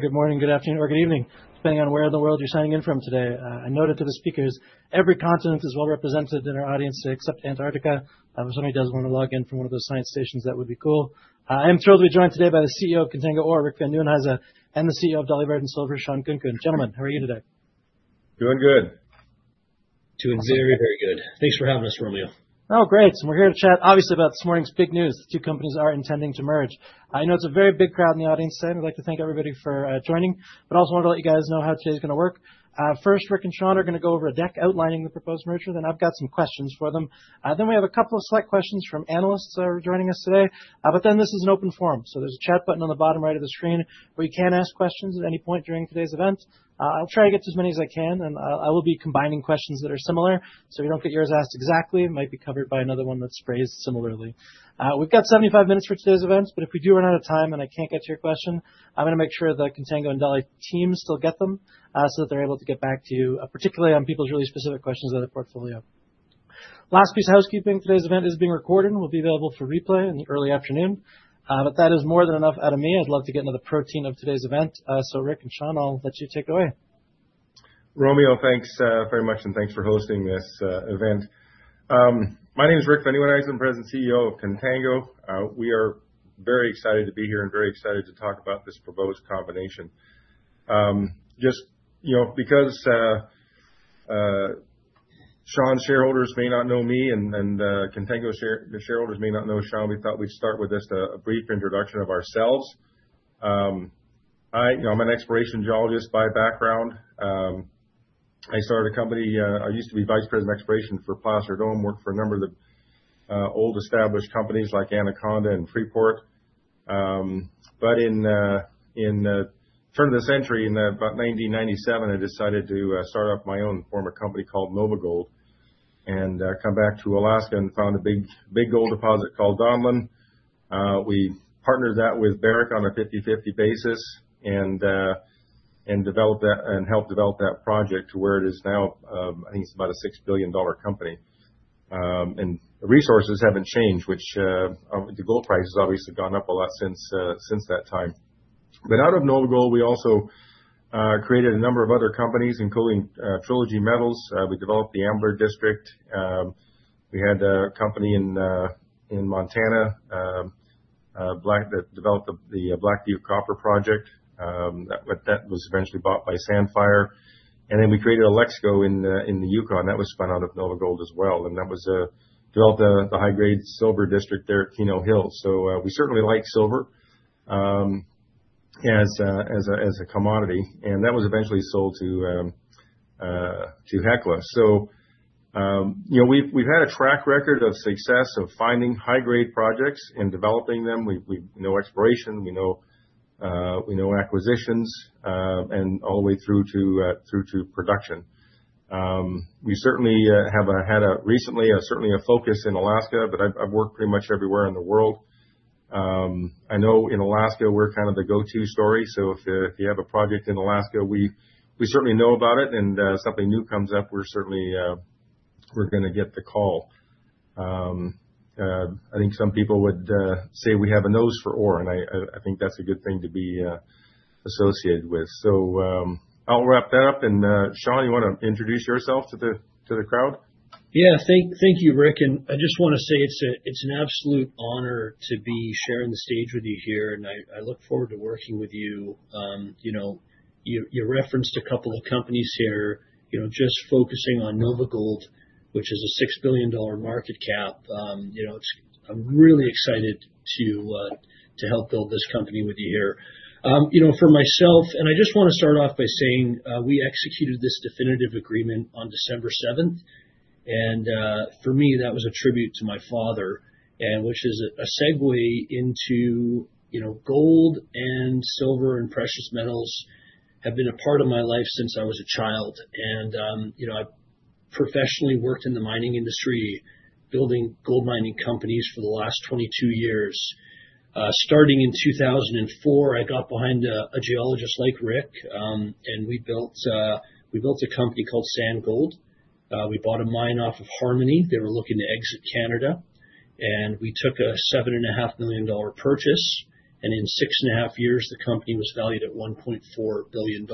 Good morning, good afternoon, or good evening, depending on where in the world you're signing in from today. A note to the speakers: every continent is well represented in our audience, except Antarctica. If somebody does want to log in from one of those science stations, that would be cool. I am thrilled to be joined today by the CEO of Contango Ore, Rick Van Nieuwenhuyse, and the CEO of Dolly Varden Silver, Shawn Khunkhun. Gentlemen, how are you today? Doing good. Doing very, very good. Thanks for having us, Romeo. Oh, great. And we're here to chat, obviously, about this morning's big news: the two companies are intending to merge. I know it's a very big crowd in the audience today, and I'd like to thank everybody for joining, but I also want to let you guys know how today's going to work. First, Rick and Shawn are going to go over a deck outlining the proposed merger. Then I've got some questions for them. Then we have a couple of select questions from analysts who are joining us today. But then this is an open forum. So there's a chat button on the bottom right of the screen where you can ask questions at any point during today's event. I'll try to get to as many as I can, and I will be combining questions that are similar. So if you don't get yours asked exactly, it might be covered by another one that's phrased similarly. We've got 75 minutes for today's event, but if we do run out of time and I can't get to your question, I'm going to make sure the Contango and Dolly teams still get them so that they're able to get back to you, particularly on people's really specific questions that are portfolio. Last piece of housekeeping: today's event is being recorded and will be available for replay in the early afternoon. But that is more than enough out of me. I'd love to get into the protein of today's event. So, Rick and Shawn, I'll let you take it away. Romeo, thanks very much, and thanks for hosting this event. My name is Rick Van Nieuwenhuyse. I'm the President and CEO of Contango. We are very excited to be here and very excited to talk about this proposed combination. Just because Shawn's shareholders may not know me and Contango's shareholders may not know Shawn, we thought we'd start with just a brief introduction of ourselves. I'm an exploration geologist by background. I started a company. I used to be vice president of exploration for Placer Dome, worked for a number of the old established companies like Anaconda and Freeport. But in the turn of the century, in about 1997, I decided to start up my own firm of company called NovaGold and come back to Alaska and found a big gold deposit called Donlin. We partnered that with Barrick on a 50/50 basis and helped develop that project to where it is now. I think it's about a $6 billion company. And the resources haven't changed, which the gold price has obviously gone up a lot since that time. But out of NovaGold, we also created a number of other companies, including Trilogy Metals. We developed the Ambler District. We had a company in Montana that developed the Black Butte Project that was eventually bought by Sandfire. And then we created a Alexco in the Yukon. That was spun out of NovaGold as well. And that was developed the high-grade silver district there at Keno Hill. So we certainly like silver as a commodity. And that was eventually sold to Hecla. So we've had a track record of success of finding high-grade projects and developing them. We know exploration, we know acquisitions, and all the way through to production. We certainly have had, recently, a focus in Alaska, but I've worked pretty much everywhere in the world. I know in Alaska, we're kind of the go-to story. If you have a project in Alaska, we certainly know about it. If something new comes up, we're certainly going to get the call. I think some people would say we have a nose for ore, and I think that's a good thing to be associated with. I'll wrap that up. Shawn, you want to introduce yourself to the crowd? Yeah, thank you, Rick. And I just want to say it's an absolute honor to be sharing the stage with you here. And I look forward to working with you. You referenced a couple of companies here, just focusing on NovaGold, which is a $6 billion market cap. I'm really excited to help build this company with you here. For myself, and I just want to start off by saying we executed this definitive agreement on December 7th. And for me, that was a tribute to my father, which is a segue into gold and silver and precious metals that have been a part of my life since I was a child. And I professionally worked in the mining industry, building gold mining companies for the last 22 years. Starting in 2004, I got behind a geologist like Rick, and we built a company called San Gold. We bought a mine off of Harmony. They were looking to exit Canada. And we took a $7.5 million purchase. And in six and a half years, the company was valued at $1.4 billion.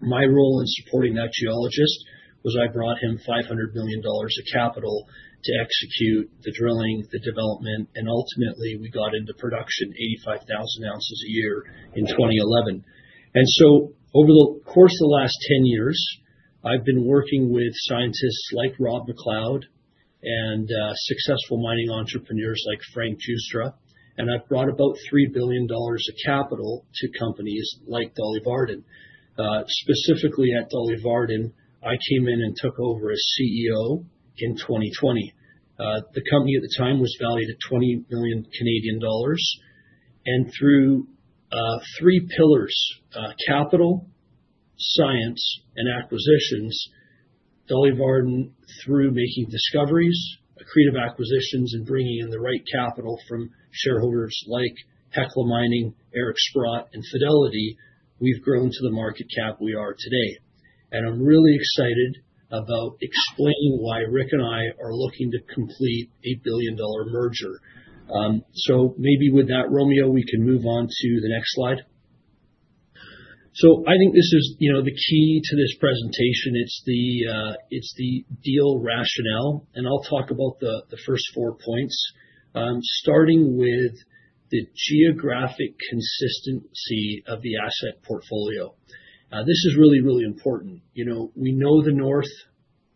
My role in supporting that geologist was I brought him $500 million of capital to execute the drilling, the development, and ultimately, we got into production, 85,000 ounces a year in 2011. And so over the course of the last 10 years, I've been working with scientists like Rob McLeod and successful mining entrepreneurs like Frank Giustra. And I've brought about $3 billion of capital to companies like Dolly Varden. Specifically at Dolly Varden, I came in and took over as CEO in 2020. The company at the time was valued at 20 million Canadian dollars. Through three pillars, capital, science, and acquisitions, Dolly Varden, through making discoveries, accretive acquisitions, and bringing in the right capital from shareholders like Hecla Mining, Eric Sprott, and Fidelity, we've grown to the market cap we are today. I'm really excited about explaining why Rick and I are looking to complete a $1 billion merger. Maybe with that, Romeo, we can move on to the next slide. I think this is the key to this presentation. It's the deal rationale. I'll talk about the first four points, starting with the geographic consistency of the asset portfolio. This is really, really important. We know the north.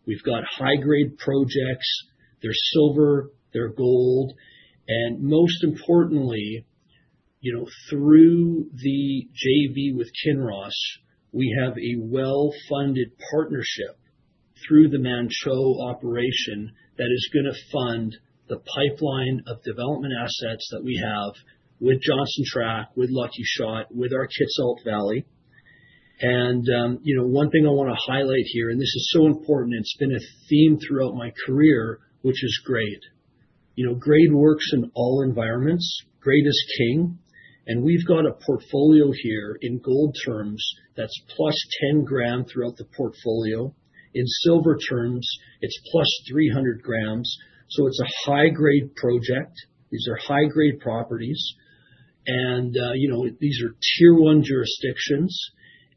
We've got high-grade projects. They're silver, they're gold. Most importantly, through the JV with Kinross, we have a well-funded partnership through the Manh Choh operation that is going to fund the pipeline of development assets that we have with Johnson Tract, with Lucky Shot, with our Kitsault Valley. One thing I want to highlight here, and this is so important. It's been a theme throughout my career, which is great. Grade works in all environments. Grade is king. We've got a portfolio here in gold terms that's +10 grams throughout the portfolio. In silver terms, it's +300 grams. So it's a high-grade project. These are high-grade properties. These are tier one jurisdictions.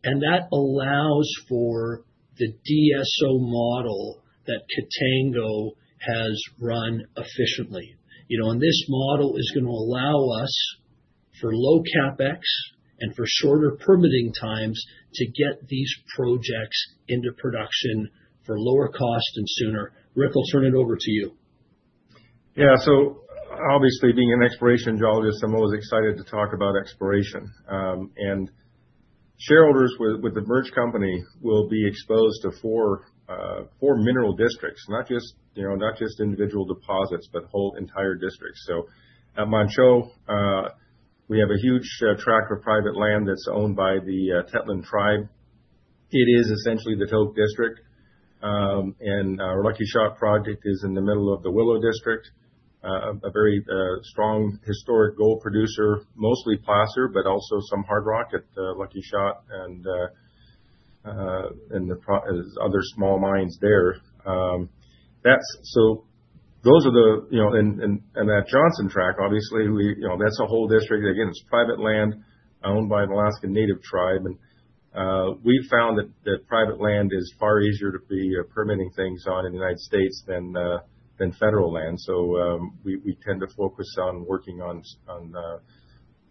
That allows for the DSO model that Contango has run efficiently. This model is going to allow us, for low CapEx and for shorter permitting times, to get these projects into production for lower cost and sooner. Rick, I'll turn it over to you. Yeah, so obviously, being an exploration geologist, I'm always excited to talk about exploration. And shareholders with the merged company will be exposed to four mineral districts, not just individual deposits, but whole entire districts. So at Manh Choh, we have a huge tract of private land that's owned by the Tetlin tribe. It is essentially the Tok District. And our Lucky Shot project is in the middle of the Willow District, a very strong historic gold producer, mostly placer, but also some hard rock at Lucky Shot and other small mines there. So those are the, and at Johnson Tract, obviously, that's a whole district. Again, it's private land owned by the Alaska Native tribe. And we've found that private land is far easier to be permitting things on in the United States than federal land. So we tend to focus on working on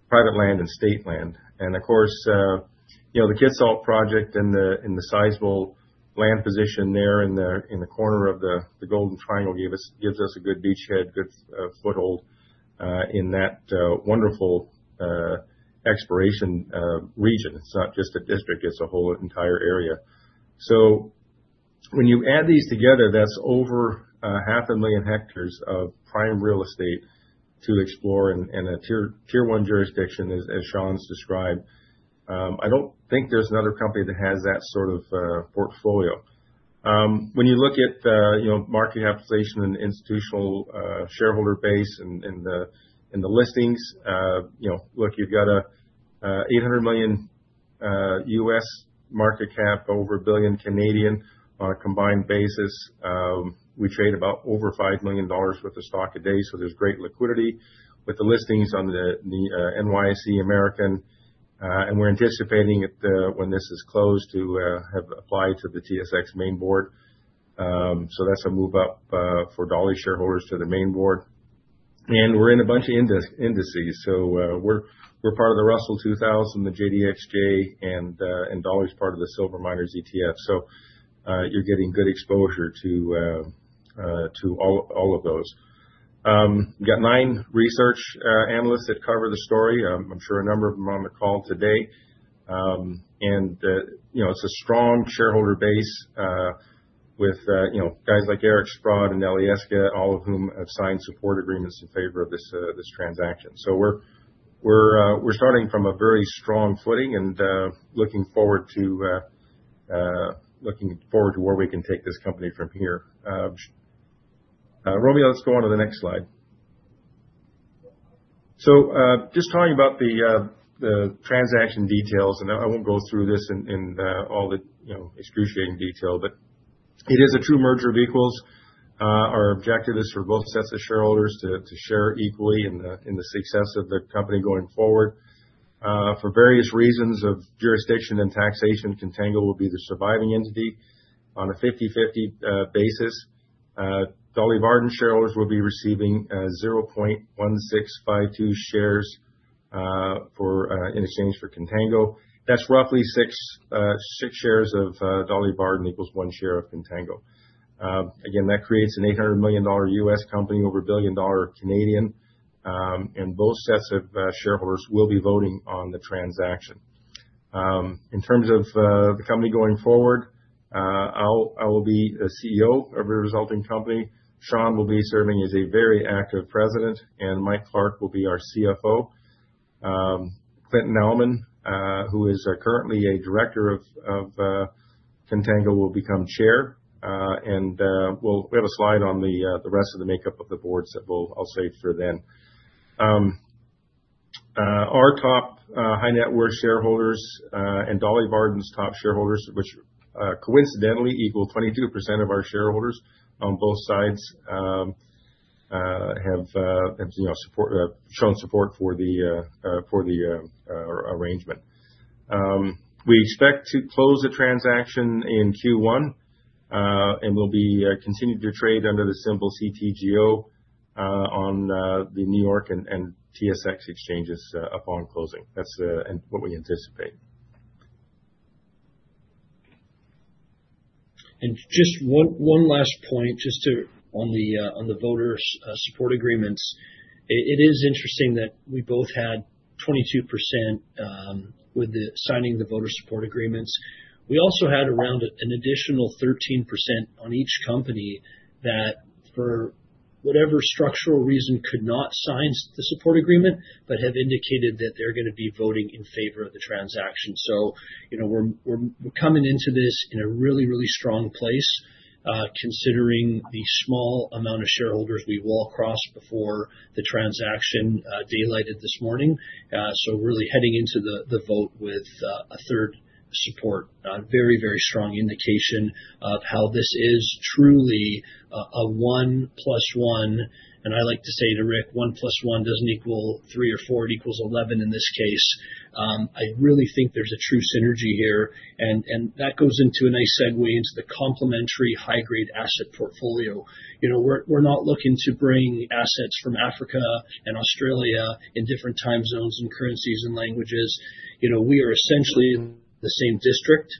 private land and state land. Of course, the Kitsault project and the sizeable land position there in the corner of the Golden Triangle gives us a good beachhead, good foothold in that wonderful exploration region. It's not just a district. It's a whole entire area. So when you add these together, that's over 500,000 hectares of prime real estate to explore in a tier one jurisdiction, as Shawn's described. I don't think there's another company that has that sort of portfolio. When you look at market capitalization and institutional shareholder base and the listings, look, you've got an $800 million market cap, over 1 billion on a combined basis. We trade about over $5 million worth of stock a day. So there's great liquidity with the listings on the NYSE American. We're anticipating when this is closed to have applied to the TSX main board. That's a move-up for Dolly shareholders to the main board. We're in a bunch of indices. We're part of the Russell 2000, the GDXJ, and Dolly's part of the Silver Miners ETF. You're getting good exposure to all of those. We've got nine research analysts that cover the story. I'm sure a number of them are on the call today. It's a strong shareholder base with guys like Eric Sprott and Hecla, all of whom have signed support agreements in favor of this transaction. We're starting from a very strong footing and looking forward to where we can take this company from here. Romeo, let's go on to the next slide. Just talking about the transaction details, I won't go through this in all the excruciating detail, but it is a true merger of equals. Our objective is for both sets of shareholders to share equally in the success of the company going forward. For various reasons of jurisdiction and taxation, Contango will be the surviving entity on a 50/50 basis. Dolly Varden shareholders will be receiving 0.1652 shares in exchange for Contango. That's roughly six shares of Dolly Varden equals one share of Contango. Again, that creates an $800 million U.S. company, over a billion-dollar Canadian. And both sets of shareholders will be voting on the transaction. In terms of the company going forward, I will be the CEO of the resulting company. Shawn will be serving as a very active president, and Mike Clark will be our CFO. Clynton Nauman, who is currently a director of Contango, will become Chair. And we have a slide on the rest of the makeup of the boards that I'll save for then. Our top high-net-worth shareholders and Dolly Varden's top shareholders, which coincidentally equal 22% of our shareholders on both sides, have shown support for the arrangement. We expect to close the transaction in Q1, and we'll be continuing to trade under the symbol CTGO on the New York and TSX exchanges upon closing. That's what we anticipate. Just one last point, just on the voter support agreements. It is interesting that we both had 22% with signing the voter support agreements. We also had around an additional 13% on each company that, for whatever structural reason, could not sign the support agreement, but have indicated that they're going to be voting in favor of the transaction. So we're coming into this in a really, really strong place, considering the small amount of shareholders we will cross before the transaction daylighted this morning. So really heading into the vote with a third support, a very, very strong indication of how this is truly a one plus one. And I like to say to Rick, one plus one doesn't equal three or four. It equals 11 in this case. I really think there's a true synergy here. And that goes into a nice segue into the complementary high-grade asset portfolio. We're not looking to bring assets from Africa and Australia in different time zones and currencies and languages. We are essentially in the same district.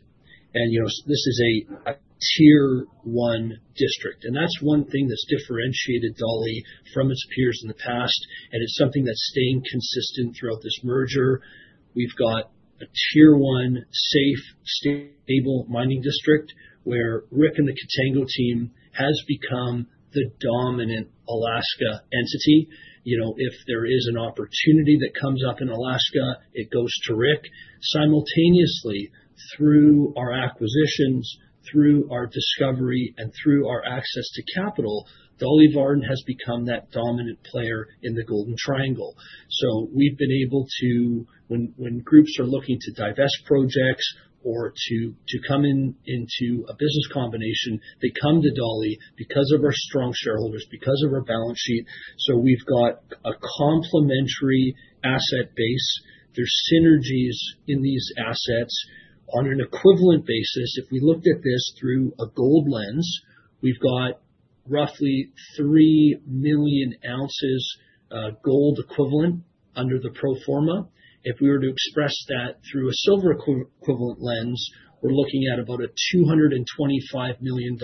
And this is a tier one district. And that's one thing that's differentiated Dolly from its peers in the past. And it's something that's staying consistent throughout this merger. We've got a tier one, safe, stable mining district where Rick and the Contango team has become the dominant Alaska entity. If there is an opportunity that comes up in Alaska, it goes to Rick. Simultaneously, through our acquisitions, through our discovery, and through our access to capital, Dolly Varden has become that dominant player in the Golden Triangle. So we've been able to, when groups are looking to divest projects or to come into a business combination, they come to Dolly because of our strong shareholders, because of our balance sheet. So we've got a complementary asset base. There's synergies in these assets on an equivalent basis. If we looked at this through a gold lens, we've got roughly 3 million ounces of gold equivalent under the pro forma. If we were to express that through a silver equivalent lens, we're looking at about a $225 million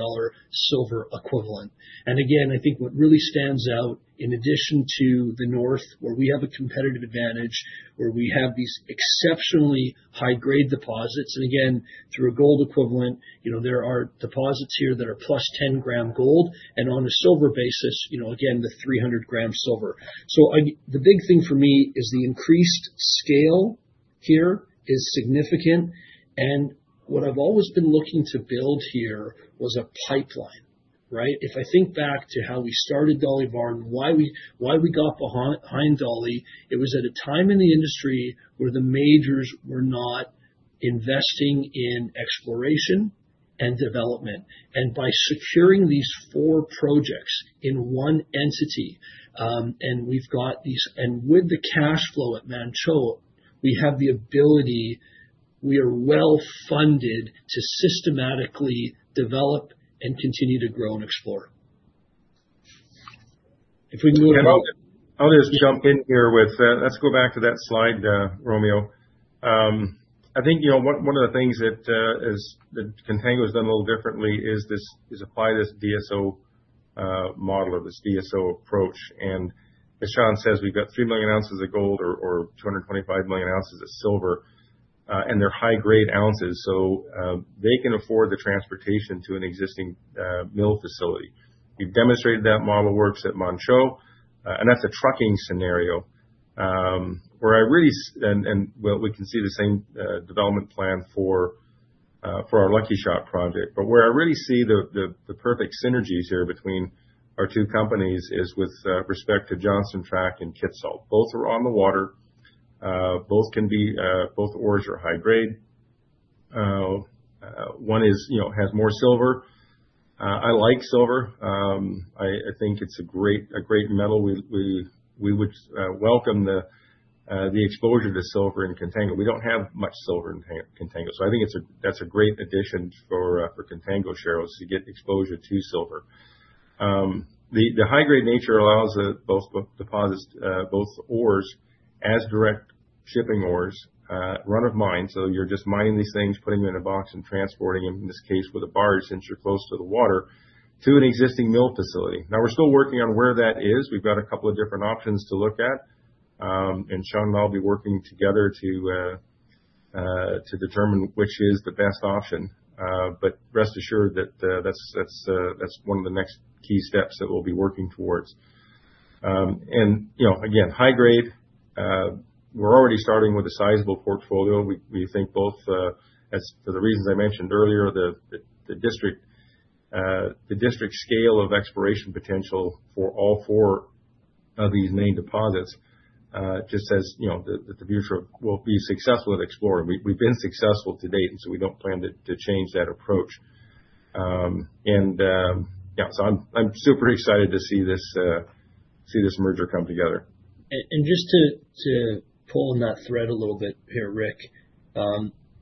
silver equivalent. And again, I think what really stands out, in addition to the north, where we have a competitive advantage, where we have these exceptionally high-grade deposits. And again, through a gold equivalent, there are deposits here that are +10-gram gold. And on a silver basis, again, the 300-gram silver. The big thing for me is the increased scale here is significant. What I've always been looking to build here was a pipeline. If I think back to how we started Dolly Varden, why we got behind Dolly, it was at a time in the industry where the majors were not investing in exploration and development. By securing these four projects in one entity, and we've got these, and with the cash flow at Manh Choh, we have the ability, we are well funded to systematically develop and continue to grow and explore. If we can move on. Can I just jump in here with, let's go back to that slide, Romeo. I think one of the things that Contango has done a little differently is apply this DSO model or this DSO approach. And as Shawn says, we've got three million ounces of gold or 225 million ounces of silver. And they're high-grade ounces. So they can afford the transportation to an existing mill facility. We've demonstrated that model works at Manh Choh. And that's a trucking scenario where I really, and we can see the same development plan for our Lucky Shot project. But where I really see the perfect synergies here between our two companies is with respect to Johnson Tract and Kitsault. Both are on the water. Both ores are high-grade. One has more silver. I like silver. I think it's a great metal. We would welcome the exposure to silver in Contango. We don't have much silver in Contango. So I think that's a great addition for Contango shareholders to get exposure to silver. The high-grade nature allows both ores as direct shipping ores, run of mine. So you're just mining these things, putting them in a box and transporting them, in this case with a barge since you're close to the water, to an existing mill facility. Now, we're still working on where that is. We've got a couple of different options to look at. And Shawn and I'll be working together to determine which is the best option. But rest assured that that's one of the next key steps that we'll be working towards. And again, high-grade. We're already starting with a sizable portfolio. We think both, for the reasons I mentioned earlier, the district scale of exploration potential for all four of these main deposits just says that the future will be successful at exploring. We've been successful to date, and so we don't plan to change that approach, and yeah, so I'm super excited to see this merger come together. And just to pull on that thread a little bit here, Rick,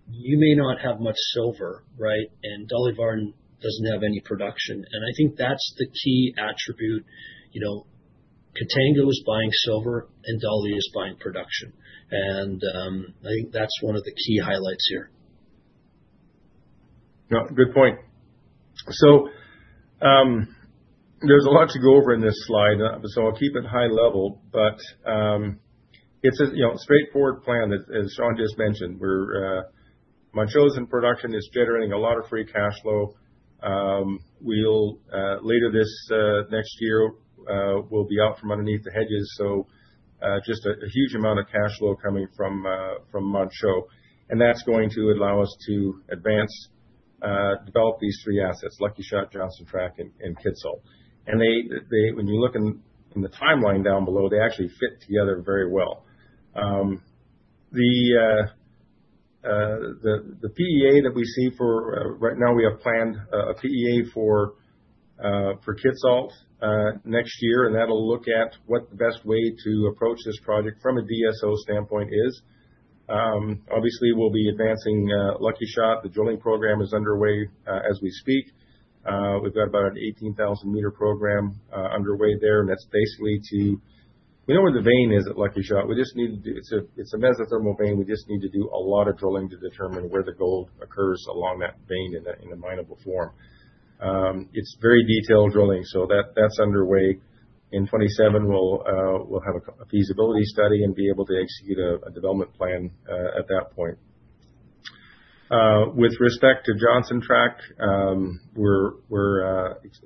you may not have much silver, right? And Dolly Varden doesn't have any production. And I think that's the key attribute. Contango is buying silver, and Dolly is buying production. And I think that's one of the key highlights here. Yeah, good point. So there's a lot to go over in this slide. So I'll keep it high level. But it's a straightforward plan, as Shawn just mentioned, where Manh Choh's in production is generating a lot of free cash flow. Later this next year, we'll be out from underneath the hedges. So just a huge amount of cash flow coming from Manh Choh. And that's going to allow us to advance, develop these three assets, Lucky Shot, Johnson Tract, and Kitsault. And when you look in the timeline down below, they actually fit together very well. The PEA that we see for right now, we have planned a PEA for Kitsault next year. And that'll look at what the best way to approach this project from a DSO standpoint is. Obviously, we'll be advancing Lucky Shot. The drilling program is underway as we speak. We've got about an 18,000-meter program underway there. And that's basically to, we know where the vein is at Lucky Shot. We just need to do, it's a mesothermal vein. We just need to do a lot of drilling to determine where the gold occurs along that vein in a minable form. It's very detailed drilling. So that's underway. In 2027, we'll have a feasibility study and be able to execute a development plan at that point. With respect to Johnson Tract, as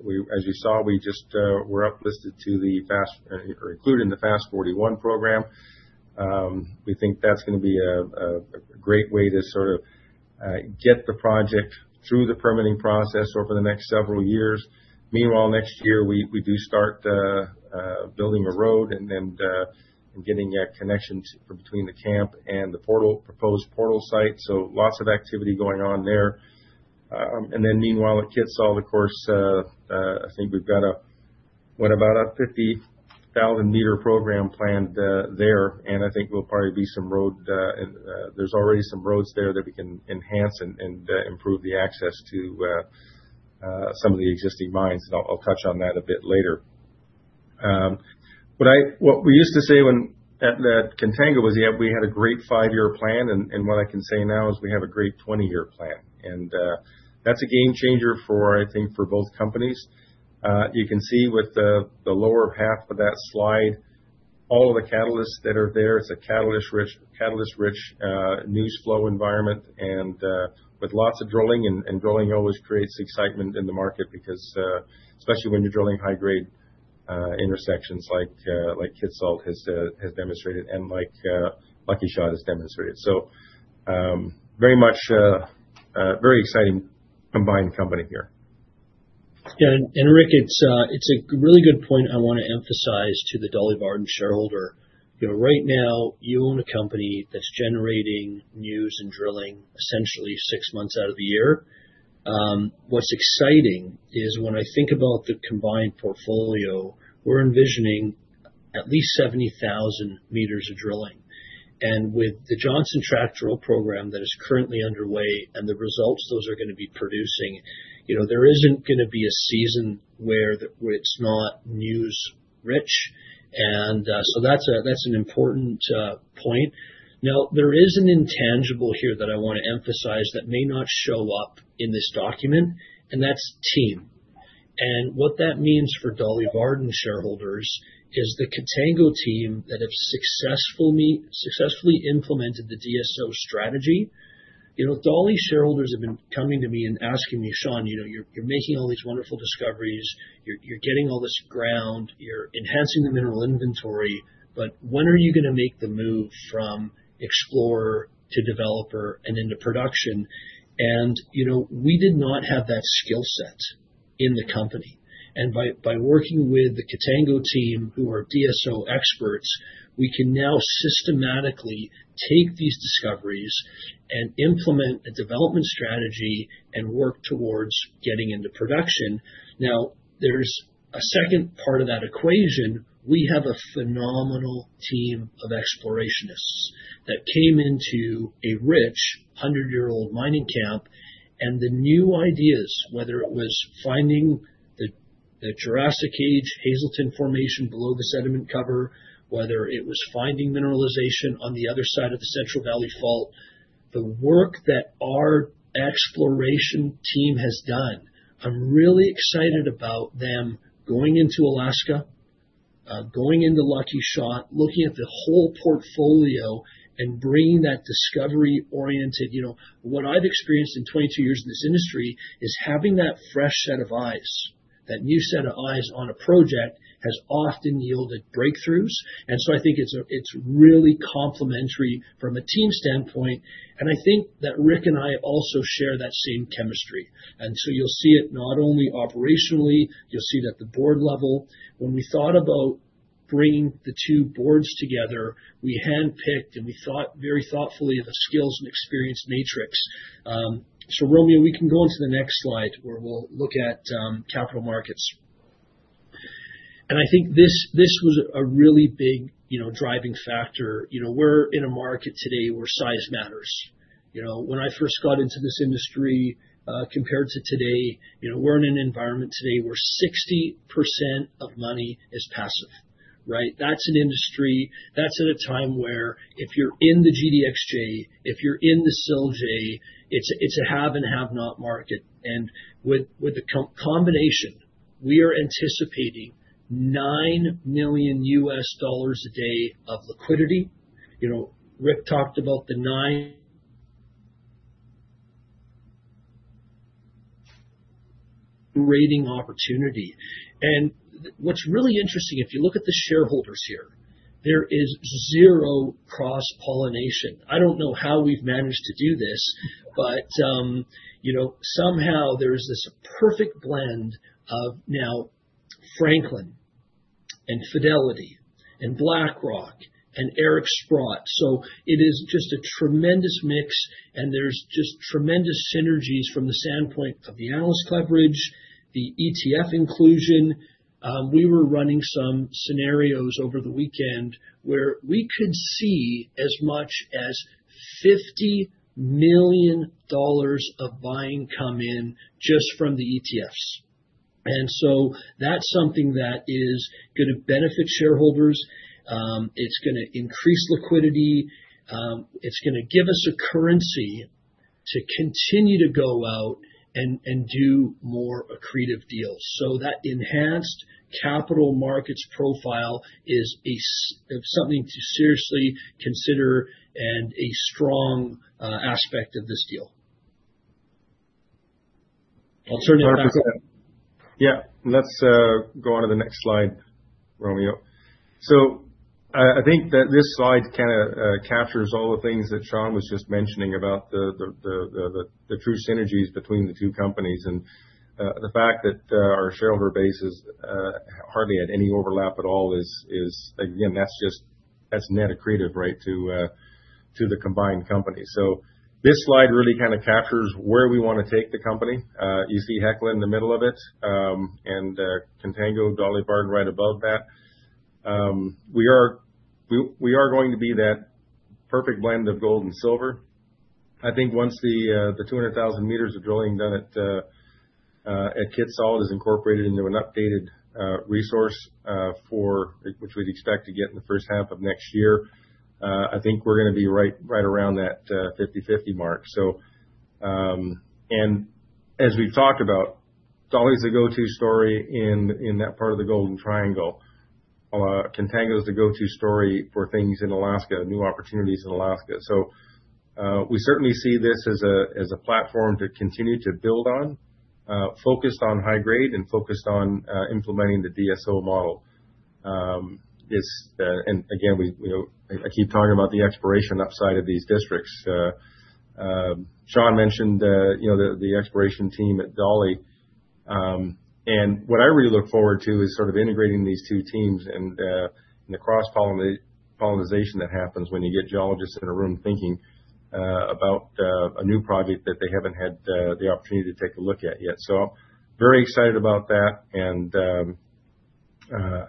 you saw, we just were uplisted to the FAST-41 or included in the FAST-41 program. We think that's going to be a great way to sort of get the project through the permitting process over the next several years. Meanwhile, next year, we do start building a road and getting a connection between the camp and the proposed portal site. So lots of activity going on there. And then meanwhile, at Kitsault, of course, I think we've got about a 50,000-meter program planned there. And I think there'll probably be some road. There's already some roads there that we can enhance and improve the access to some of the existing mines. And I'll touch on that a bit later. What we used to say at Contango was we had a great five-year plan. And what I can say now is we have a great 20-year plan. And that's a game changer for, I think, for both companies. You can see with the lower half of that slide, all of the catalysts that are there. It's a catalyst-rich news flow environment. With lots of drilling, and drilling always creates excitement in the market because especially when you're drilling high-grade intersections like Kitsault has demonstrated and like Lucky Shot has demonstrated. Very exciting combined company here. Yeah. And Rick, it's a really good point I want to emphasize to the Dolly Varden shareholder. Right now, you own a company that's generating news and drilling essentially six months out of the year. What's exciting is when I think about the combined portfolio, we're envisioning at least 70,000 meters of drilling. And with the Johnson Tract drill program that is currently underway and the results those are going to be producing, there isn't going to be a season where it's not news-rich. And so that's an important point. Now, there is an intangible here that I want to emphasize that may not show up in this document. And that's team. And what that means for Dolly Varden shareholders is the Contango team that have successfully implemented the DSO strategy. Dolly shareholders have been coming to me and asking me, "Shawn, you're making all these wonderful discoveries. You're getting all this ground. You're enhancing the mineral inventory. But when are you going to make the move from explorer to developer and into production?" And we did not have that skill set in the company. And by working with the Contango team who are DSO experts, we can now systematically take these discoveries and implement a development strategy and work towards getting into production. Now, there's a second part of that equation. We have a phenomenal team of explorationists that came into a rich 100-year-old mining camp. And the new ideas, whether it was finding the Jurassic Age Hazelton formation below the sediment cover, whether it was finding mineralization on the other side of the Central Valley Fault, the work that our exploration team has done, I'm really excited about them going into Alaska, going into Lucky Shot, looking at the whole portfolio and bringing that discovery-oriented. What I've experienced in 22 years in this industry is having that fresh set of eyes. That new set of eyes on a project has often yielded breakthroughs, and so I think it's really complementary from a team standpoint. I think that Rick and I also share that same chemistry, and so you'll see it not only operationally. You'll see it at the board level. When we thought about bringing the two boards together, we handpicked and we thought very thoughtfully of a skills and experience matrix. Romeo, we can go into the next slide where we'll look at capital markets. I think this was a really big driving factor. We're in a market today where size matters. When I first got into this industry compared to today, we're in an environment today where 60% of money is passive. That's an industry. That's at a time where if you're in the GDXJ, if you're in the SILJ, it's a have-and-have-not market. And with the combination, we are anticipating $9 million a day of liquidity. Rick talked about the nine rating opportunity. And what's really interesting, if you look at the shareholders here, there is zero cross-pollination. I don't know how we've managed to do this, but somehow there is this perfect blend of now Franklin and Fidelity and BlackRock and Eric Sprott. So it is just a tremendous mix. And there's just tremendous synergies from the standpoint of the analyst coverage, the ETF inclusion. We were running some scenarios over the weekend where we could see as much as $50 million of buying come in just from the ETFs. And so that's something that is going to benefit shareholders. It's going to increase liquidity. It's going to give us a currency to continue to go out and do more accretive deals. So that enhanced capital markets profile is something to seriously consider and a strong aspect of this deal. I'll turn it over to Rick. Yeah. Let's go on to the next slide, Romeo. So I think that this slide kind of captures all the things that Shawn was just mentioning about the true synergies between the two companies. And the fact that our shareholder base is hardly at any overlap at all is, again, that's net accretive, right, to the combined company. So this slide really kind of captures where we want to take the company. You see Hecla in the middle of it and Contango, Dolly Varden right above that. We are going to be that perfect blend of gold and silver. I think once the 200,000 meters of drilling done at Kitsault is incorporated into an updated resource for which we'd expect to get in the first half of next year, I think we're going to be right around that 50/50 mark. As we've talked about, Dolly's the go-to story in that part of the Golden Triangle. Contango's the go-to story for things in Alaska, new opportunities in Alaska, so we certainly see this as a platform to continue to build on, focused on high-grade and focused on implementing the DSO model, and again, I keep talking about the exploration upside of these districts. Shawn mentioned the exploration team at Dolly, and what I really look forward to is sort of integrating these two teams and the cross-pollination that happens when you get geologists in a room thinking about a new project that they haven't had the opportunity to take a look at yet, so I'm very excited about that, and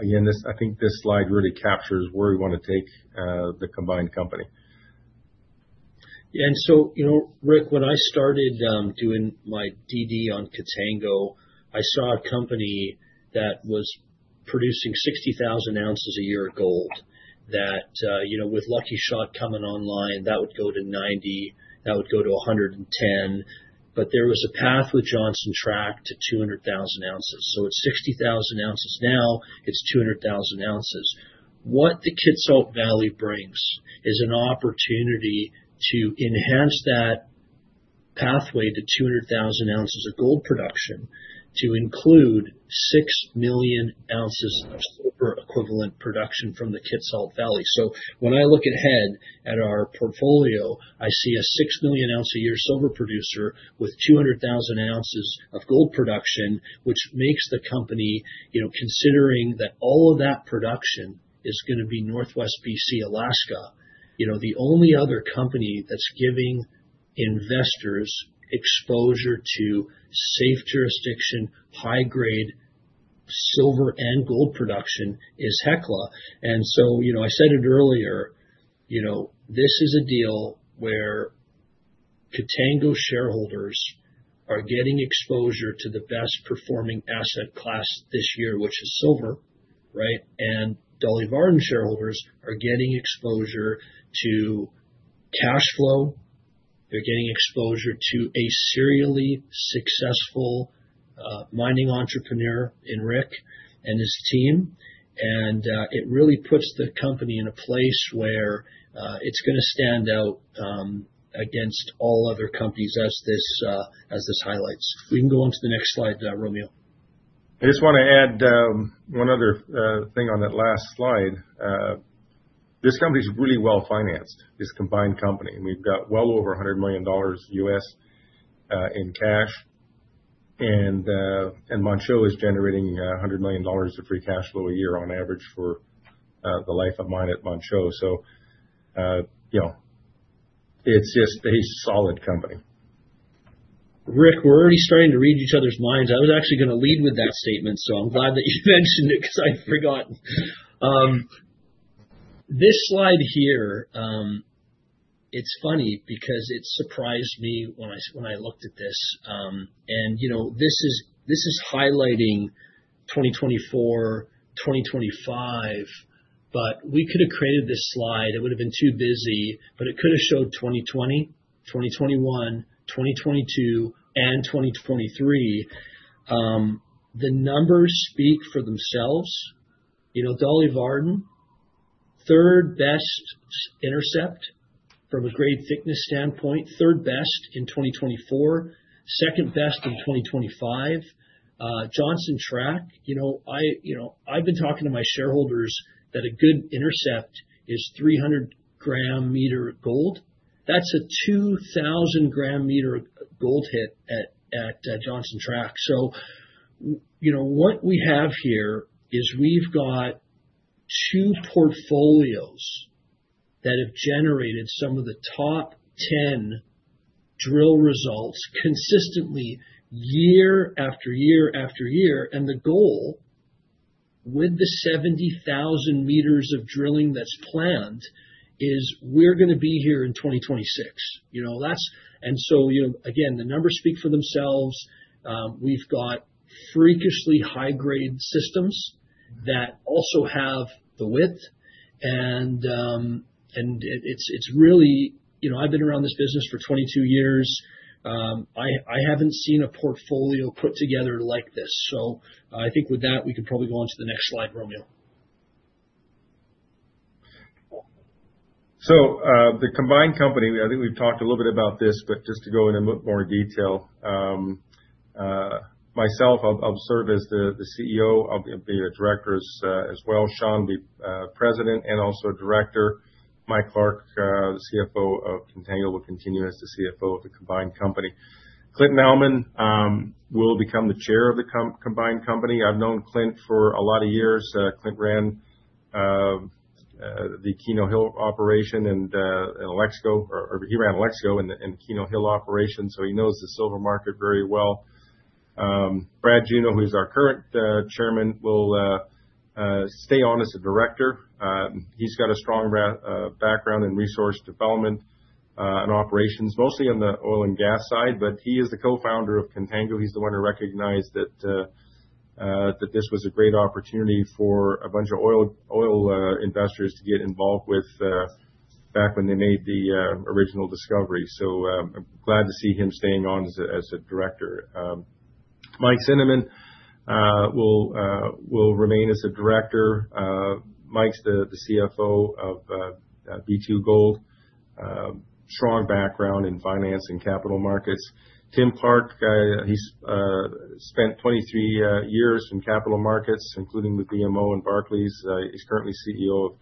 again, I think this slide really captures where we want to take the combined company. Yeah. And so, Rick, when I started doing my DD on Contango, I saw a company that was producing 60,000 ounces a year of gold that with Lucky Shot coming online, that would go to 90,000, that would go to 110,000. But there was a path with Johnson Tract to 200,000 ounces. So it's 60,000 ounces now, it's 200,000 ounces. What the Kitsault Valley brings is an opportunity to enhance that pathway to 200,000 ounces of gold production to include 6 million ounces of silver equivalent production from the Kitsault Valley. So when I look ahead at our portfolio, I see a 6 million ounce a year silver producer with 200,000 ounces of gold production, which makes the company, considering that all of that production is going to be Northwest BC, Alaska, the only other company that's giving investors exposure to safe jurisdiction, high-grade silver and gold production is Hecla. And so I said it earlier, this is a deal where Contango shareholders are getting exposure to the best performing asset class this year, which is silver, right? And Dolly Varden shareholders are getting exposure to cash flow. They're getting exposure to a serially successful mining entrepreneur in Rick and his team. And it really puts the company in a place where it's going to stand out against all other companies, as this highlights. We can go on to the next slide, Romeo. I just want to add one other thing on that last slide. This company's really well financed, this combined company. We've got well over $100 million USD in cash. And Manh Choh is generating $100 million of free cash flow a year on average for the life of mine at Manh Choh. So it's just a solid company. Rick, we're already starting to read each other's minds. I was actually going to lead with that statement, so I'm glad that you mentioned it because I'd forgotten. This slide here, it's funny because it surprised me when I looked at this. And this is highlighting 2024, 2025, but we could have created this slide. It would have been too busy, but it could have showed 2020, 2021, 2022, and 2023. The numbers speak for themselves. Dolly Varden, third best intercept from a grade thickness standpoint, third best in 2024, second best in 2025. Johnson Tract, I've been talking to my shareholders that a good intercept is 300 gram meter gold. That's a 2,000 gram meter gold hit at Johnson Tract. So what we have here is we've got two portfolios that have generated some of the top 10 drill results consistently year after year after year. The goal with the 70,000 meters of drilling that's planned is we're going to be here in 2026. And so again, the numbers speak for themselves. We've got freakishly high-grade systems that also have the width. And it's really, I've been around this business for 22 years. I haven't seen a portfolio put together like this. So I think with that, we can probably go on to the next slide, Romeo. The combined company, I think we've talked a little bit about this, but just to go into a bit more detail, myself, I'll serve as the CEO. I'll be a director as well. Shawn will be president and also director. Mike Clark, the CFO of Contango, will continue as the CFO of the combined company. Clynton Nauman will become the chair of the combined company. I've known Clint for a lot of years. Clint ran the Keno Hill operation and Alexco. He ran Alexco and Keno Hill operation. So he knows the silver market very well. Brad Juneau, who's our current chairman, will stay on as a director. He's got a strong background in resource development and operations, mostly on the oil and gas side. But he is the co-founder of Contango. He's the one who recognized that this was a great opportunity for a bunch of oil investors to get involved with back when they made the original discovery. So I'm glad to see him staying on as a director. Mike Cinnaman will remain as a director. Mike's the CFO of B2Gold. Strong background in finance and capital markets. Tim Clark, he spent 23 years in capital markets, including with BMO and Barclays. He's currently CEO of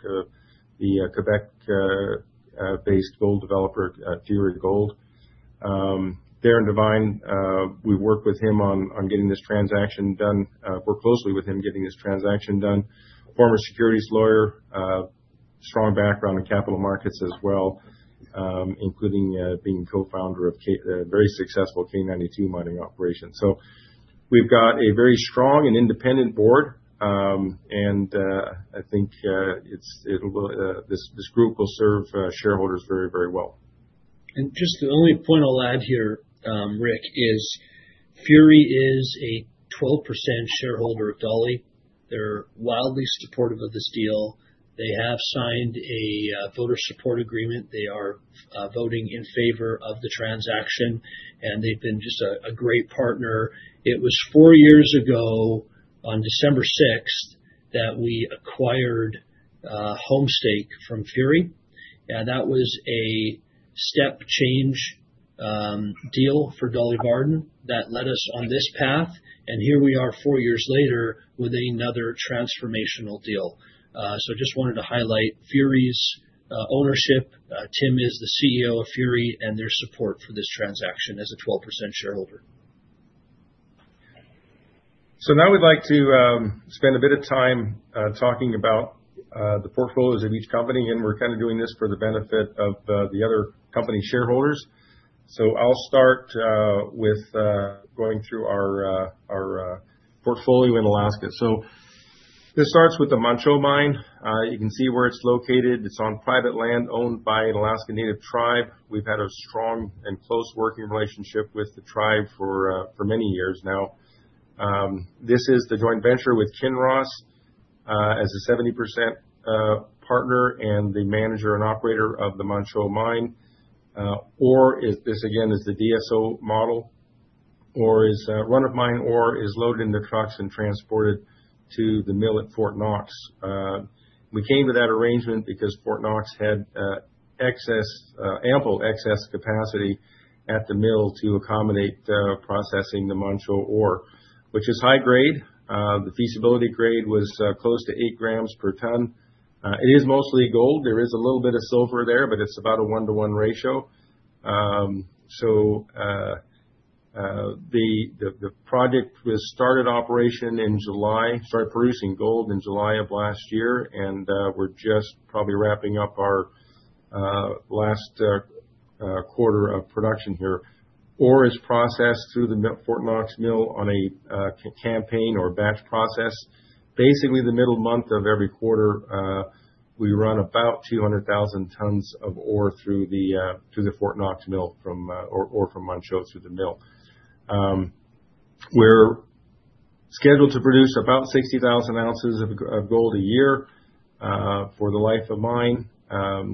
the Quebec-based gold developer, Fury Gold. Darren Devine, we worked with him on getting this transaction done. Worked closely with him getting this transaction done. Former securities lawyer, strong background in capital markets as well, including being co-founder of a very successful K92 mining operation. So we've got a very strong and independent board. And I think this group will serve shareholders very, very well. And just the only point I'll add here, Rick, is Fury is a 12% shareholder of Dolly. They're wholly supportive of this deal. They have signed a voting support agreement. They are voting in favor of the transaction. And they've been just a great partner. It was four years ago on December 6th that we acquired Homestake from Fury. And that was a step change deal for Dolly Varden that led us on this path. And here we are four years later with another transformational deal. So I just wanted to highlight Fury's ownership. Tim is the CEO of Fury and their support for this transaction as a 12% shareholder. So now we'd like to spend a bit of time talking about the portfolios of each company. And we're kind of doing this for the benefit of the other company shareholders. So I'll start with going through our portfolio in Alaska. So this starts with the Manh Choh Mine. You can see where it's located. It's on private land owned by an Alaska Native tribe. We've had a strong and close working relationship with the tribe for many years now. This is the joint venture with Kinross as a 70% partner and the manager and operator of the Manh Choh Mine. Ore, this again is the DSO model or run-of-mine ore is loaded in the trucks and transported to the mill at Fort Knox. We came to that arrangement because Fort Knox had ample excess capacity at the mill to accommodate processing the Manh Choh ore, which is high grade. The feasibility grade was close to 8 grams per ton. It is mostly gold. There is a little bit of silver there, but it's about a one-to-one ratio. So the project was started operation in July, started producing gold in July of last year, and we're just probably wrapping up our last quarter of production here. Ore is processed through the Fort Knox Mill on a campaign or batch process. Basically, the middle month of every quarter, we run about 200,000 tons of ore through the Fort Knox Mill, ore from Manh Choh through the mill. We're scheduled to produce about 60,000 ounces of gold a year for the life of mine,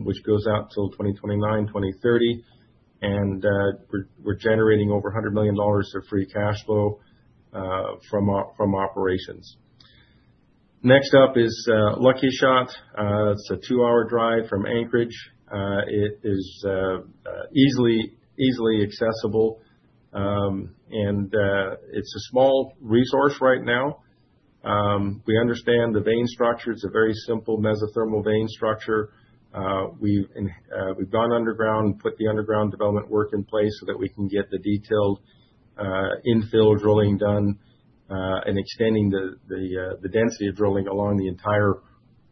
which goes out till 2029, 2030. And we're generating over $100 million of free cash flow from operations. Next up is Lucky Shot. It's a two-hour drive from Anchorage. It is easily accessible. And it's a small resource right now. We understand the vein structure. It's a very simple mesothermal vein structure. We've gone underground and put the underground development work in place so that we can get the detailed infill drilling done and extending the density of drilling along the entire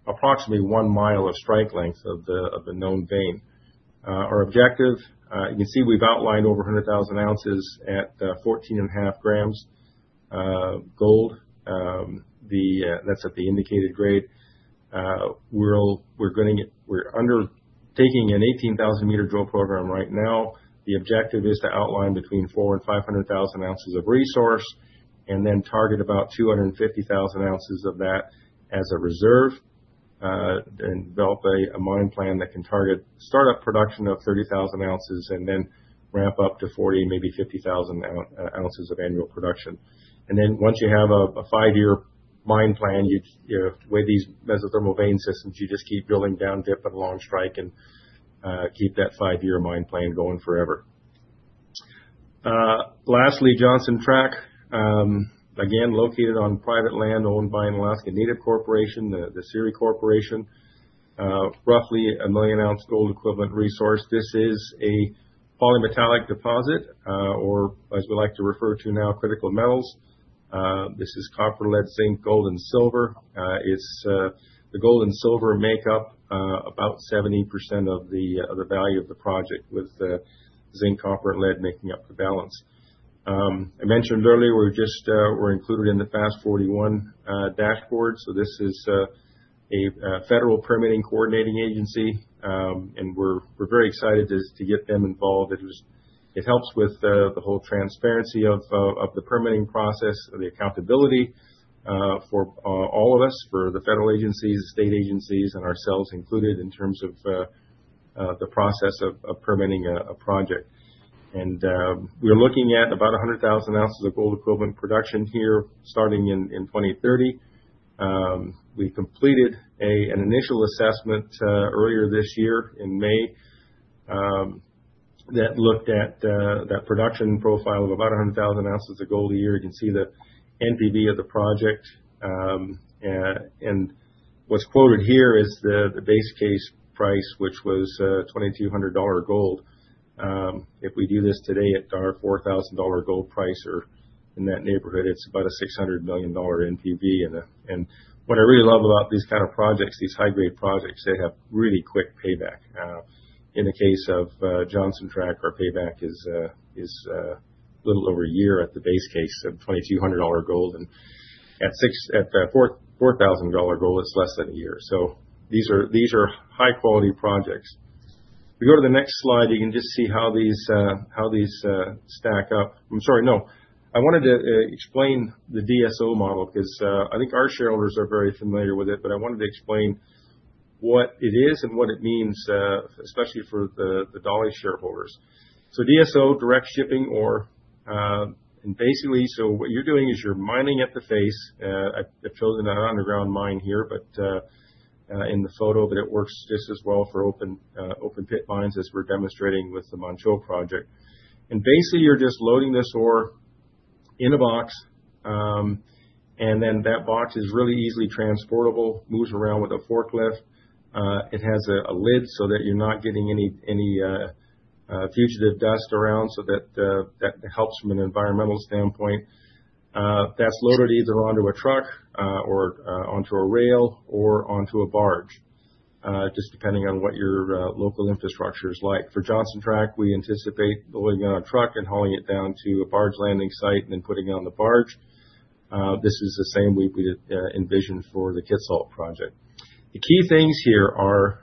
approximately one mile of strike length of the known vein. Our objective, you can see we've outlined over 100,000 ounces at 14.5 grams gold. That's at the indicated grade. We're undertaking an 18,000-meter drill program right now. The objective is to outline between 400,000 and 500,000 ounces of resource and then target about 250,000 ounces of that as a reserve and develop a mine plan that can target startup production of 30,000 ounces and then ramp up to 40,000, maybe 50,000 ounces of annual production. And then once you have a five-year mine plan, with these mesothermal vein systems, you just keep drilling down, dip, and long strike and keep that five-year mine plan going forever. Lastly, Johnson Tract, again, located on private land owned by an Alaska Native Corporation, CIRI, roughly a million-ounce gold equivalent resource. This is a polymetallic deposit, or as we like to refer to now, critical metals. This is copper, lead, zinc, gold, and silver. The gold and silver make up about 70% of the value of the project, with zinc, copper, and lead making up the balance. I mentioned earlier, we're included in the FAST-41 dashboard, so this is a federal permitting coordinating agency, and we're very excited to get them involved. It helps with the whole transparency of the permitting process, the accountability for all of us, for the federal agencies, state agencies, and ourselves included in terms of the process of permitting a project, and we're looking at about 100,000 ounces of gold equivalent production here starting in 2030. We completed an initial assessment earlier this year in May that looked at that production profile of about 100,000 ounces of gold a year. You can see the NPV of the project, and what's quoted here is the base case price, which was $2,200 gold. If we do this today at our $4,000 gold price or in that neighborhood, it's about a $600 million NPV. What I really love about these kinds of projects, these high-grade projects, they have really quick payback. In the case of Johnson Tract, our payback is a little over a year at the base case of $2,200 gold. And at $4,000 gold, it's less than a year. So these are high-quality projects. If we go to the next slide, you can just see how these stack up. I'm sorry, no. I wanted to explain the DSO model because I think our shareholders are very familiar with it, but I wanted to explain what it is and what it means, especially for the Dolly shareholders. So DSO, direct shipping ore, and basically, so what you're doing is you're mining at the face. I've chosen an underground mine here, but in the photo, but it works just as well for open-pit mines as we're demonstrating with the Manh Choh project. Basically, you're just loading this ore in a box. Then that box is really easily transportable, moves around with a forklift. It has a lid so that you're not getting any fugitive dust around, so that helps from an environmental standpoint. That's loaded either onto a truck or onto a rail or onto a barge, just depending on what your local infrastructure is like. For Johnson Tract, we anticipate loading it on a truck and hauling it down to a barge landing site and then putting it on the barge. This is the same we envisioned for the Kitsault project. The key things here are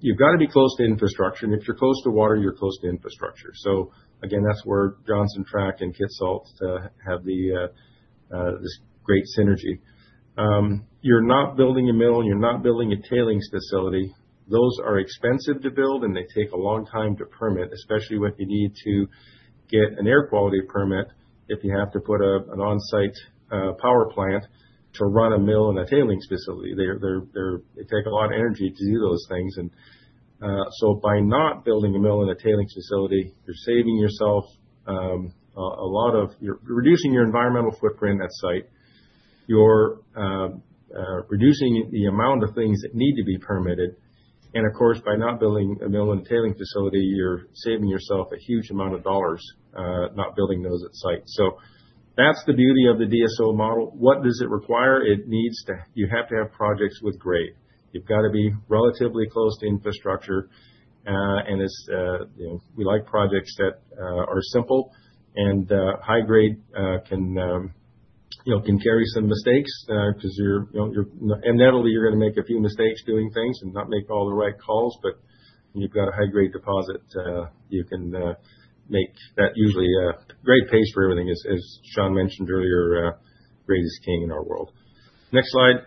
you've got to be close to infrastructure. If you're close to water, you're close to infrastructure. Again, that's where Johnson Tract and Kitsault have this great synergy. You're not building a mill, and you're not building a tailings facility. Those are expensive to build, and they take a long time to permit, especially when you need to get an air quality permit if you have to put an on-site power plant to run a mill and a tailings facility. They take a lot of energy to do those things, and so by not building a mill and a tailings facility, you're reducing your environmental footprint at site. You're reducing the amount of things that need to be permitted, and of course, by not building a mill and a tailings facility, you're saving yourself a huge amount of dollars not building those at site, so that's the beauty of the DSO model. What does it require? You have to have projects with grade. You've got to be relatively close to infrastructure. We like projects that are simple and high-grade [that] can carry some mistakes because you're inevitably going to make a few mistakes doing things and not make all the right calls. But when you've got a high-grade deposit, you can make that; usually grade pays for everything. As Shawn mentioned earlier, grade is king in our world. Next slide,